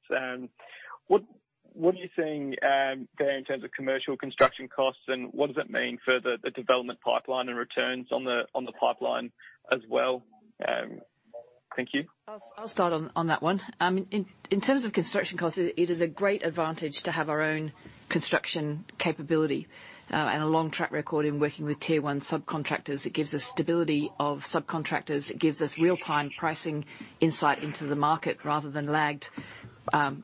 What are you seeing there in terms of commercial construction costs, and what does that mean for the development pipeline and returns on the pipeline as well? Thank you. I'll start on that one. In terms of construction costs, it is a great advantage to have our own construction capability and a long track record in working with tier one subcontractors. It gives us stability of subcontractors. It gives us real-time pricing insight into the market rather than lagged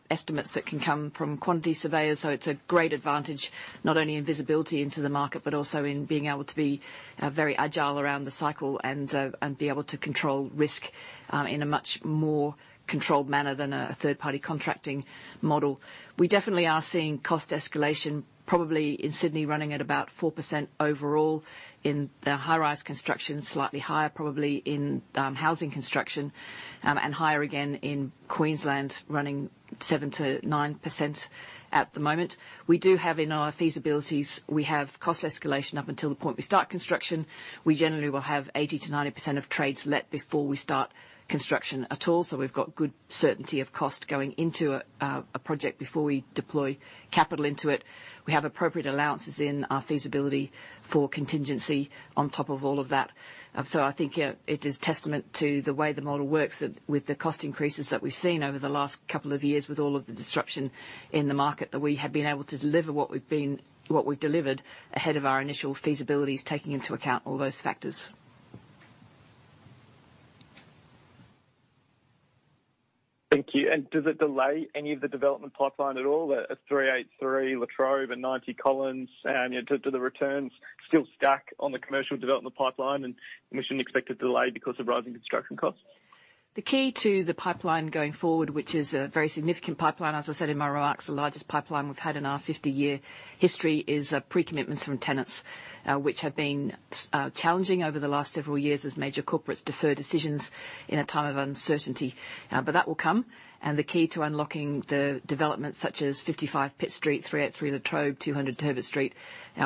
estimates that can come from quantity surveyors. It's a great advantage, not only in visibility into the market, but also in being able to be very agile around the cycle and be able to control risk in a much more controlled manner than a third-party contracting model. We definitely are seeing cost escalation, probably in Sydney, running at about 4% overall in the high rise construction, slightly higher, probably in housing construction, and higher again in Queensland, running 7%-9% at the moment. We do have in our feasibilities, we have cost escalation up until the point we start construction. We generally will have 80%-90% of trades let before we start construction at all. We've got good certainty of cost going into a project before we deploy capital into it. We have appropriate allowances in our feasibility for contingency on top of all of that. I think, yeah, it is testament to the way the model works that with the cost increases that we've seen over the last couple of years, with all of the disruption in the market, that we have been able to deliver what we've delivered ahead of our initial feasibilities, taking into account all those factors. Thank you. Does it delay any of the development pipeline at all? 383 La Trobe and 90 Collins. Do the returns still stack on the commercial development pipeline and we shouldn't expect a delay because of rising construction costs? The key to the pipeline going forward, which is a very significant pipeline, as I said in my remarks, the largest pipeline we've had in our 50-year history is pre-commitments from tenants, which have been challenging over the last several years as major corporates defer decisions in a time of uncertainty. That will come. The key to unlocking the developments such as 55 Pitt Street, 383 La Trobe, 200 Turbot Street.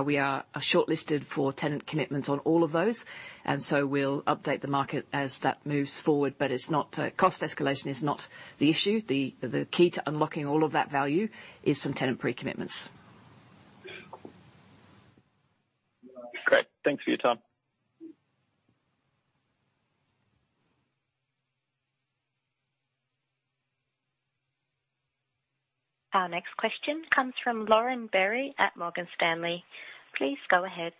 We are shortlisted for tenant commitments on all of those, and so we'll update the market as that moves forward. It's not. Cost escalation is not the issue. The key to unlocking all of that value is from tenant pre-commitments. Great. Thanks for your time. Our next question comes from Lauren Berry at Morgan Stanley. Please go ahead.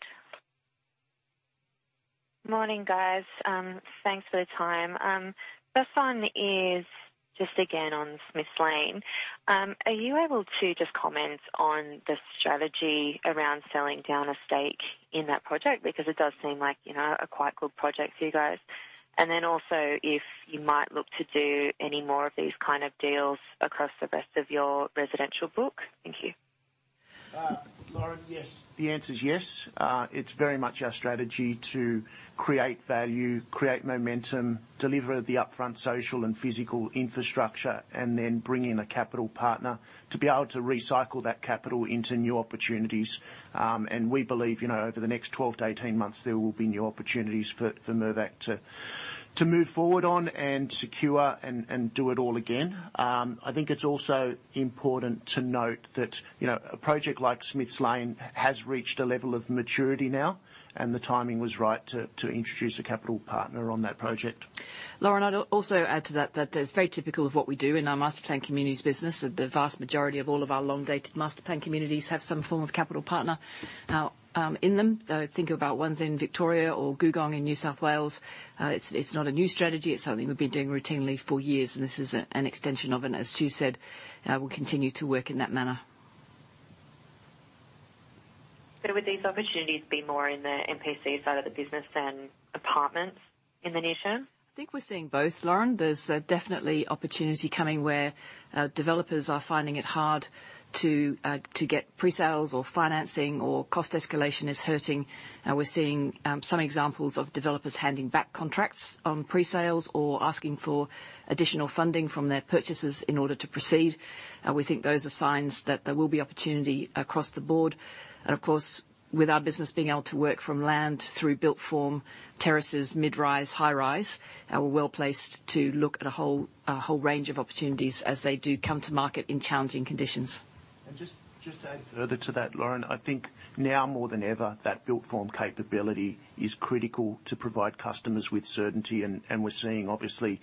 Morning, guys. Thanks for the time. First one is just again on Smiths Lane. Are you able to just comment on the strategy around selling down a stake in that project? Because it does seem like, you know, a quite good project for you guys. Also if you might look to do any more of these kind of deals across the rest of your residential book. Thank you. Lauren, yes. The answer is yes. It's very much our strategy to create value, create momentum, deliver the upfront social and physical infrastructure, and then bring in a capital partner to be able to recycle that capital into new opportunities. We believe, you know, over the next 12-18 months, there will be new opportunities for Mirvac to move forward on and secure and do it all again. I think it's also important to note that, you know, a project like Smiths Lane has reached a level of maturity now, and the timing was right to introduce a capital partner on that project. Lauren, I'd also add to that that's very typical of what we do in our master planned communities business. The vast majority of all of our long-dated master planned communities have some form of capital partner in them. Think about ones in Victoria or Googong in New South Wales. It's not a new strategy. It's something we've been doing routinely for years, and this is an extension of it. As Stu said, we'll continue to work in that manner. Would these opportunities be more in the MPC side of the business than apartments in the near term? I think we're seeing both, Lauren. There's definitely opportunity coming where developers are finding it hard to get pre-sales or financing or cost escalation is hurting. We're seeing some examples of developers handing back contracts on pre-sales or asking for additional funding from their purchasers in order to proceed. We think those are signs that there will be opportunity across the board. Of course, with our business being able to work from land through built form terraces, mid-rise, high-rise, we're well placed to look at a whole range of opportunities as they do come to market in challenging conditions. Just to add further to that, Lauren, I think now more than ever, that built form capability is critical to provide customers with certainty. We're seeing obviously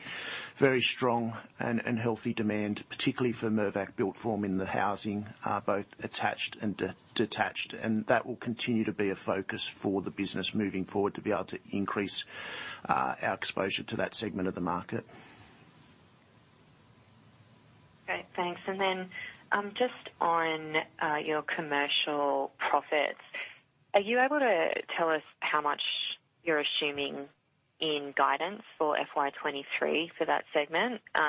very strong and healthy demand, particularly for Mirvac built form in the housing, both attached and detached. That will continue to be a focus for the business moving forward to be able to increase our exposure to that segment of the market. Great, thanks. Just on your commercial profits, are you able to tell us how much you're assuming in guidance for FY 2023 for that segment? You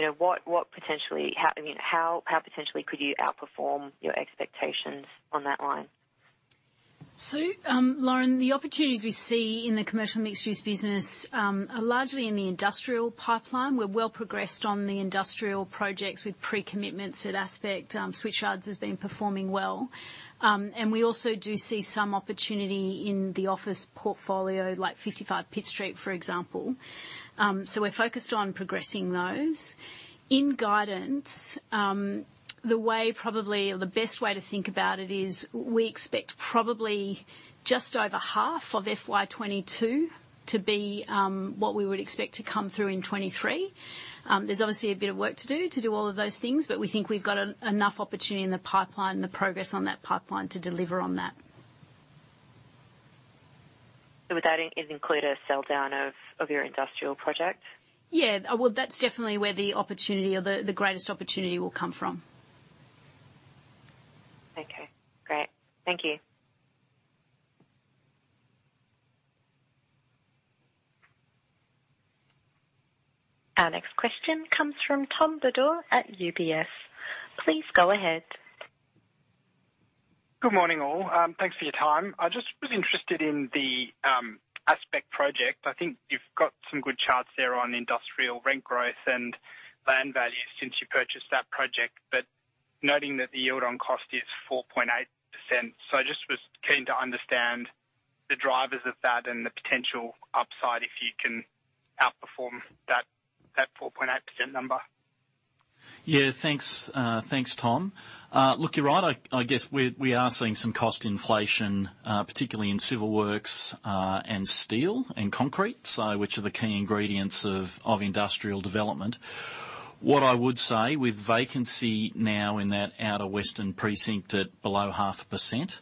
know, I mean, how potentially could you outperform your expectations on that line? Susan, Lauren, the opportunities we see in the commercial mixed-use business are largely in the industrial pipeline. We're well progressed on the industrial projects with pre-commitments at Aspect. Switchyard has been performing well. We also do see some opportunity in the office portfolio like 55 Pitt Street, for example. We're focused on progressing those. In guidance, the way probably or the best way to think about it is we expect probably just over half of FY 22 to be what we would expect to come through in 23. There's obviously a bit of work to do to do all of those things, but we think we've got enough opportunity in the pipeline, the progress on that pipeline to deliver on that. Would that include a sell down of your industrial projects? Yeah. Well, that's definitely where the opportunity or the greatest opportunity will come from. Okay, great. Thank you. Our next question comes from Tom Bodor at UBS. Please go ahead. Good morning, all. Thanks for your time. I just was interested in the Aspect project. I think you've got some good charts there on industrial rent growth and land value since you purchased that project. Noting that the yield on cost is 4.8%. I just was keen to understand the drivers of that and the potential upside if you can outperform that 4.8% number. Yeah, thanks. Thanks, Tom. Look, you're right. I guess we are seeing some cost inflation, particularly in civil works, and steel and concrete, so which are the key ingredients of industrial development. What I would say with vacancy now in that outer Western precinct at below 0.5%,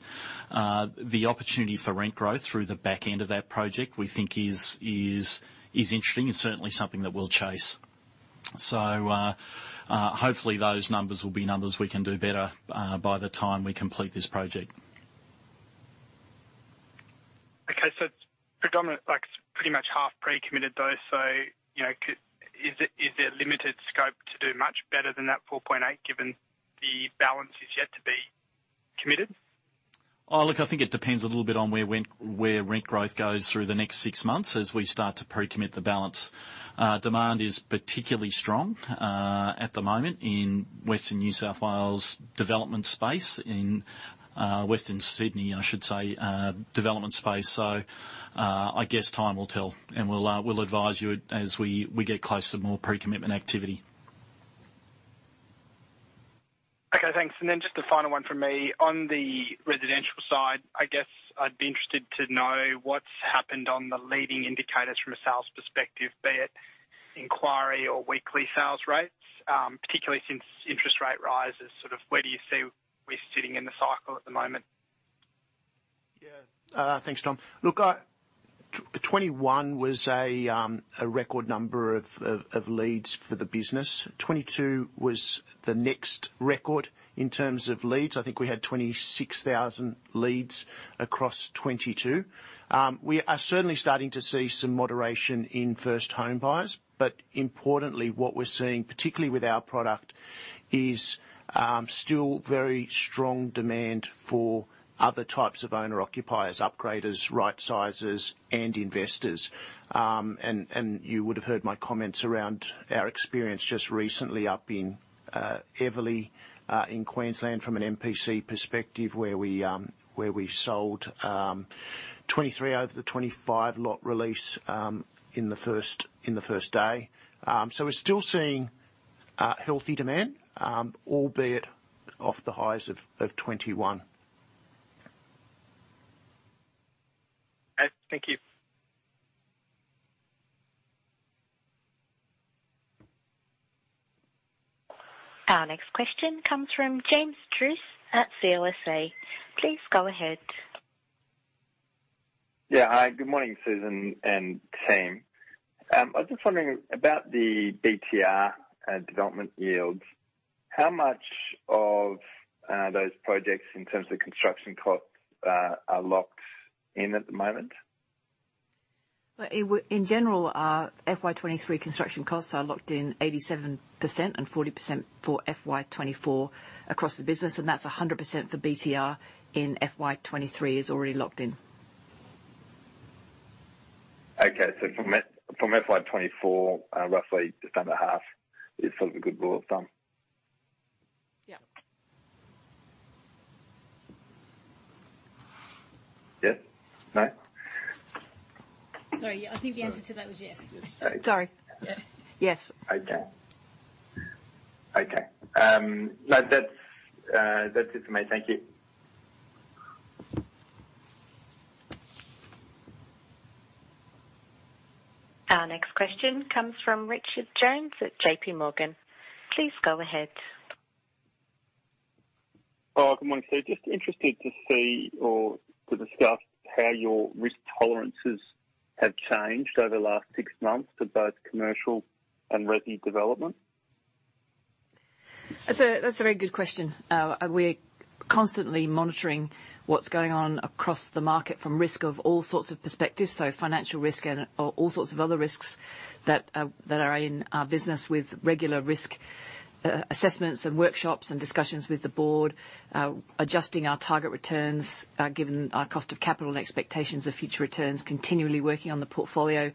the opportunity for rent growth through the back end of that project, we think is interesting. It's certainly something that we'll chase. Hopefully those numbers will be numbers we can do better by the time we complete this project. Okay. It's predominant, like, pretty much half pre-committed though. You know, is it, is there limited scope to do much better than that 4.8, given the balance is yet to be committed? Oh, look, I think it depends a little bit on where rent growth goes through the next six months as we start to pre-commit the balance. Demand is particularly strong at the moment in Western Sydney development space. I guess time will tell, and we'll advise you as we get closer to more pre-commitment activity. Okay, thanks. Just a final one from me. On the residential side, I guess I'd be interested to know what's happened on the leading indicators from a sales perspective, be it inquiry or weekly sales rates, particularly since interest rate rises, sort of where do you see we're sitting in the cycle at the moment? Yeah. Thanks, Tom. Look, 2021 was a record number of leads for the business. 2022 was the next record in terms of leads. I think we had 26,000 leads across 2022. We are certainly starting to see some moderation in first home buyers. Importantly, what we're seeing, particularly with our product, is still very strong demand for other types of owner occupiers, upgraders, right-sizers, and investors. You would have heard my comments around our experience just recently up in Everleigh in Queensland from an MPC perspective, where we sold 23 out of the 25 lot release in the first day. We're still seeing healthy demand, albeit off the highs of 2021. Okay. Thank you. Our next question comes from James Druce at CLSA. Please go ahead. Yeah. Hi, good morning, Susan and team. I was just wondering about the BTR development yields. How much of those projects in terms of construction costs are locked in at the moment? Well, in general, our FY 2023 construction costs are locked in 87% and 40% for FY 2024 across the business, and that's 100% for BTR in FY 2023 is already locked in. Okay. From FY 2024, roughly just under half is sort of a good rule of thumb? Yeah. Yeah? No? Sorry. I think the answer to that was yes. Sorry. Yes. Okay. No, that's it for me. Thank you. Our next question comes from Richard Jones at JPMorgan. Please go ahead. Oh, good morning, Sue. Just interested to see or to discuss how your risk tolerances have changed over the last six months for both commercial and resi development. That's a very good question. We're constantly monitoring what's going on across the market from risk of all sorts of perspectives, so financial risk and all sorts of other risks that are in our business with regular risk assessments and workshops and discussions with the board. Adjusting our target returns given our cost of capital and expectations of future returns. Continually working on the portfolio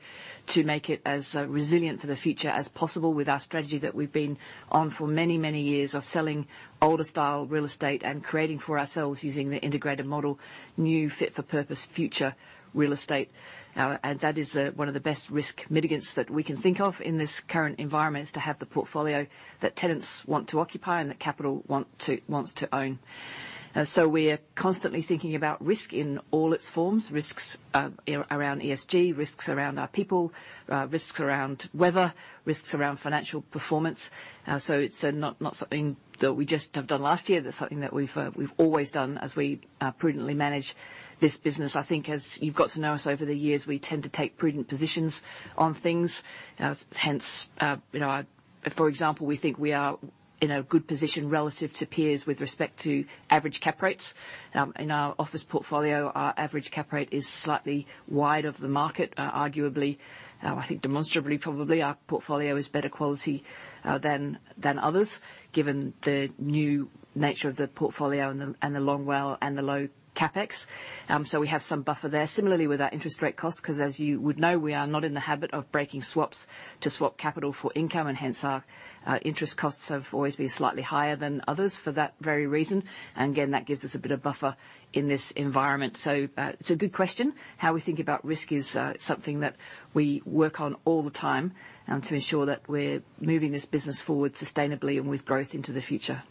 to make it as resilient for the future as possible with our strategy that we've been on for many, many years of selling older style real estate and creating for ourselves using the integrated model, new fit for purpose future real estate. That is one of the best risk mitigants that we can think of in this current environment, is to have the portfolio that tenants want to occupy and that capital wants to own. We're constantly thinking about risk in all its forms, risks around ESG, risks around our people, risks around weather, risks around financial performance. It's not something that we just have done last year. That's something that we've always done as we prudently manage this business. I think as you've got to know us over the years, we tend to take prudent positions on things. Hence, you know, for example, we think we are in a good position relative to peers with respect to average cap rates. In our office portfolio, our average cap rate is slightly wide of the market. Arguably, I think demonstrably probably, our portfolio is better quality than others, given the new nature of the portfolio and the long WALE and the low CapEx. So we have some buffer there. Similarly, with our interest rate costs, 'cause as you would know, we are not in the habit of breaking swaps to swap capital for income, and hence our interest costs have always been slightly higher than others for that very reason. Again, that gives us a bit of buffer in this environment. It's a good question. How we think about risk is something that we work on all the time to ensure that we're moving this business forward sustainably and with growth into the future.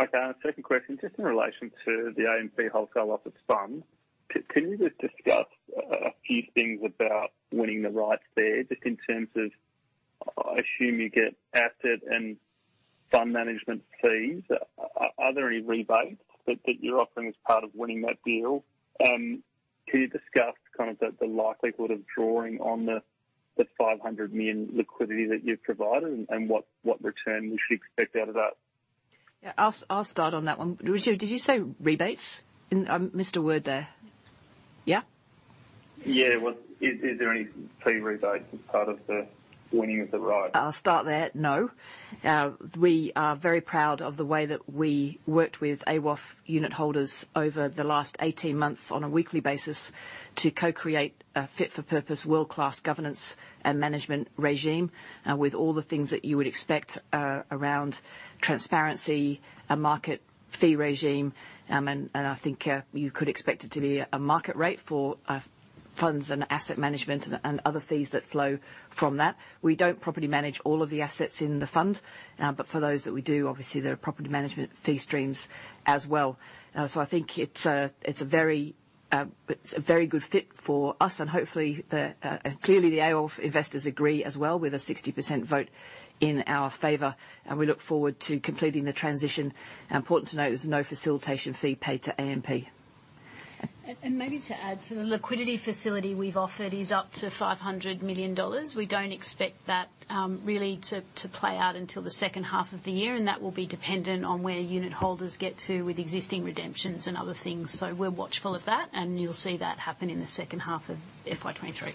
Okay. Second question, just in relation to the AMP Capital Wholesale Office Fund, can you just discuss a few things about winning the rights there, just in terms of, I assume you get asset and fund management fees. Are there any rebates that you're offering as part of winning that deal? Can you discuss kind of the likelihood of drawing on the 500 million liquidity that you've provided and what return we should expect out of that? Yeah. I'll start on that one. Richard, did you say rebates? I missed a word there. Yeah? Yeah. Is there any fee rebates as part of the winning of the rights? We are very proud of the way that we worked with AWOF unit holders over the last 18 months on a weekly basis to co-create a fit for purpose world-class governance and management regime, with all the things that you would expect, around transparency, a market fee regime, and I think you could expect it to be a market rate for funds and asset management and other fees that flow from that. We don't properly manage all of the assets in the fund, but for those that we do, obviously there are property management fee streams as well. I think it's a very good fit for us and hopefully, clearly the AWOF investors agree as well with a 60% vote in our favor, and we look forward to completing the transition. Important to note, there's no facilitation fee paid to AMP. Maybe to add, the liquidity facility we've offered is up to 500 million dollars. We don't expect that really to play out until the second half of the year, and that will be dependent on where unitholders get to with existing redemptions and other things. We're watchful of that, and you'll see that happen in the second half of FY 2023.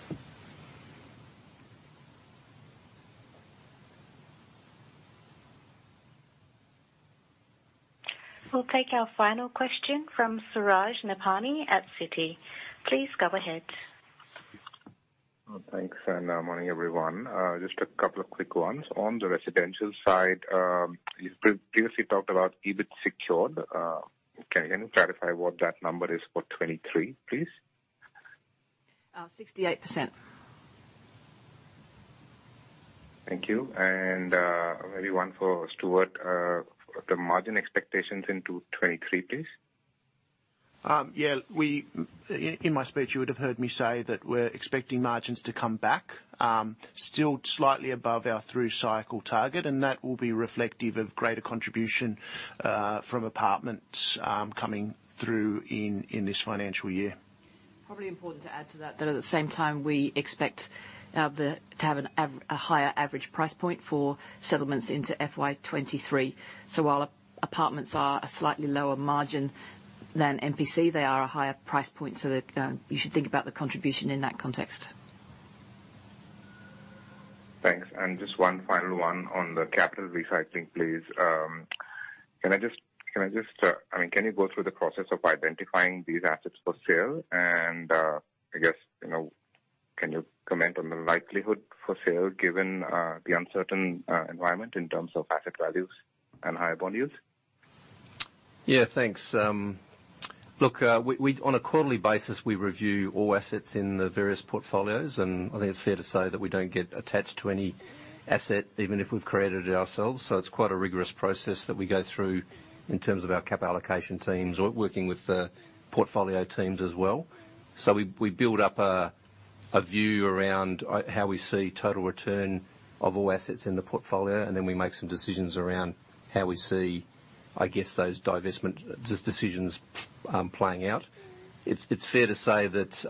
We'll take our final question from Suraj Nebhani at Citi. Please go ahead. Well, thanks, morning, everyone. Just a couple of quick ones. On the residential side, you previously talked about EBIT secured. Can you clarify what that number is for 2023, please? 68%. Thank you. Maybe one for Stuart. The margin expectations into 2023, please. Yeah, in my speech, you would have heard me say that we're expecting margins to come back, still slightly above our through cycle target, and that will be reflective of greater contribution from apartments coming through in this financial year. Probably important to add to that at the same time, we expect to have a higher average price point for settlements into FY 2023. While apartments are a slightly lower margin than MPC, they are a higher price point, so that you should think about the contribution in that context. Thanks. Just one final one on the capital recycling, please. Can I just, I mean, can you go through the process of identifying these assets for sale? I guess, you know, can you comment on the likelihood for sale given the uncertain environment in terms of asset values and higher bond yields? Yeah, thanks. Look, on a quarterly basis, we review all assets in the various portfolios, and I think it's fair to say that we don't get attached to any asset, even if we've created it ourselves. It's quite a rigorous process that we go through in terms of our capital allocation teams working with the portfolio teams as well. We build up a view around how we see total return of all assets in the portfolio, and then we make some decisions around how we see, I guess, those divestment decisions playing out. It's fair to say that,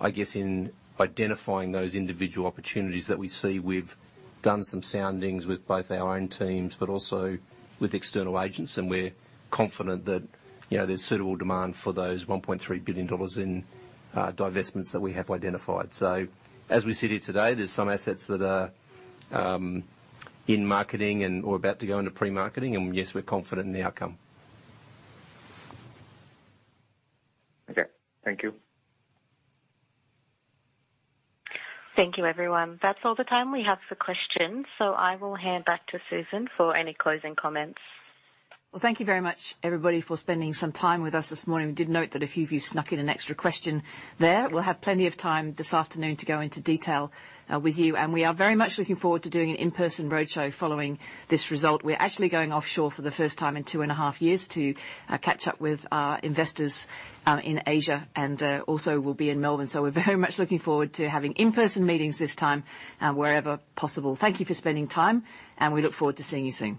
I guess in identifying those individual opportunities that we see, we've done some soundings with both our own teams, but also with external agents, and we're confident that, you know, there's suitable demand for those 1.3 billion dollars in divestments that we have identified. As we sit here today, there's some assets that are in marketing and/or about to go into pre-marketing and yes, we're confident in the outcome. Okay. Thank you. Thank you, everyone. That's all the time we have for questions. I will hand back to Susan for any closing comments. Well, thank you very much, everybody, for spending some time with us this morning. We did note that a few of you snuck in an extra question there. We'll have plenty of time this afternoon to go into detail with you, and we are very much looking forward to doing an in-person roadshow following this result. We're actually going offshore for the first time in two and a half years to catch up with our investors in Asia, and also we'll be in Melbourne. We're very much looking forward to having in-person meetings this time, wherever possible. Thank you for spending time, and we look forward to seeing you soon.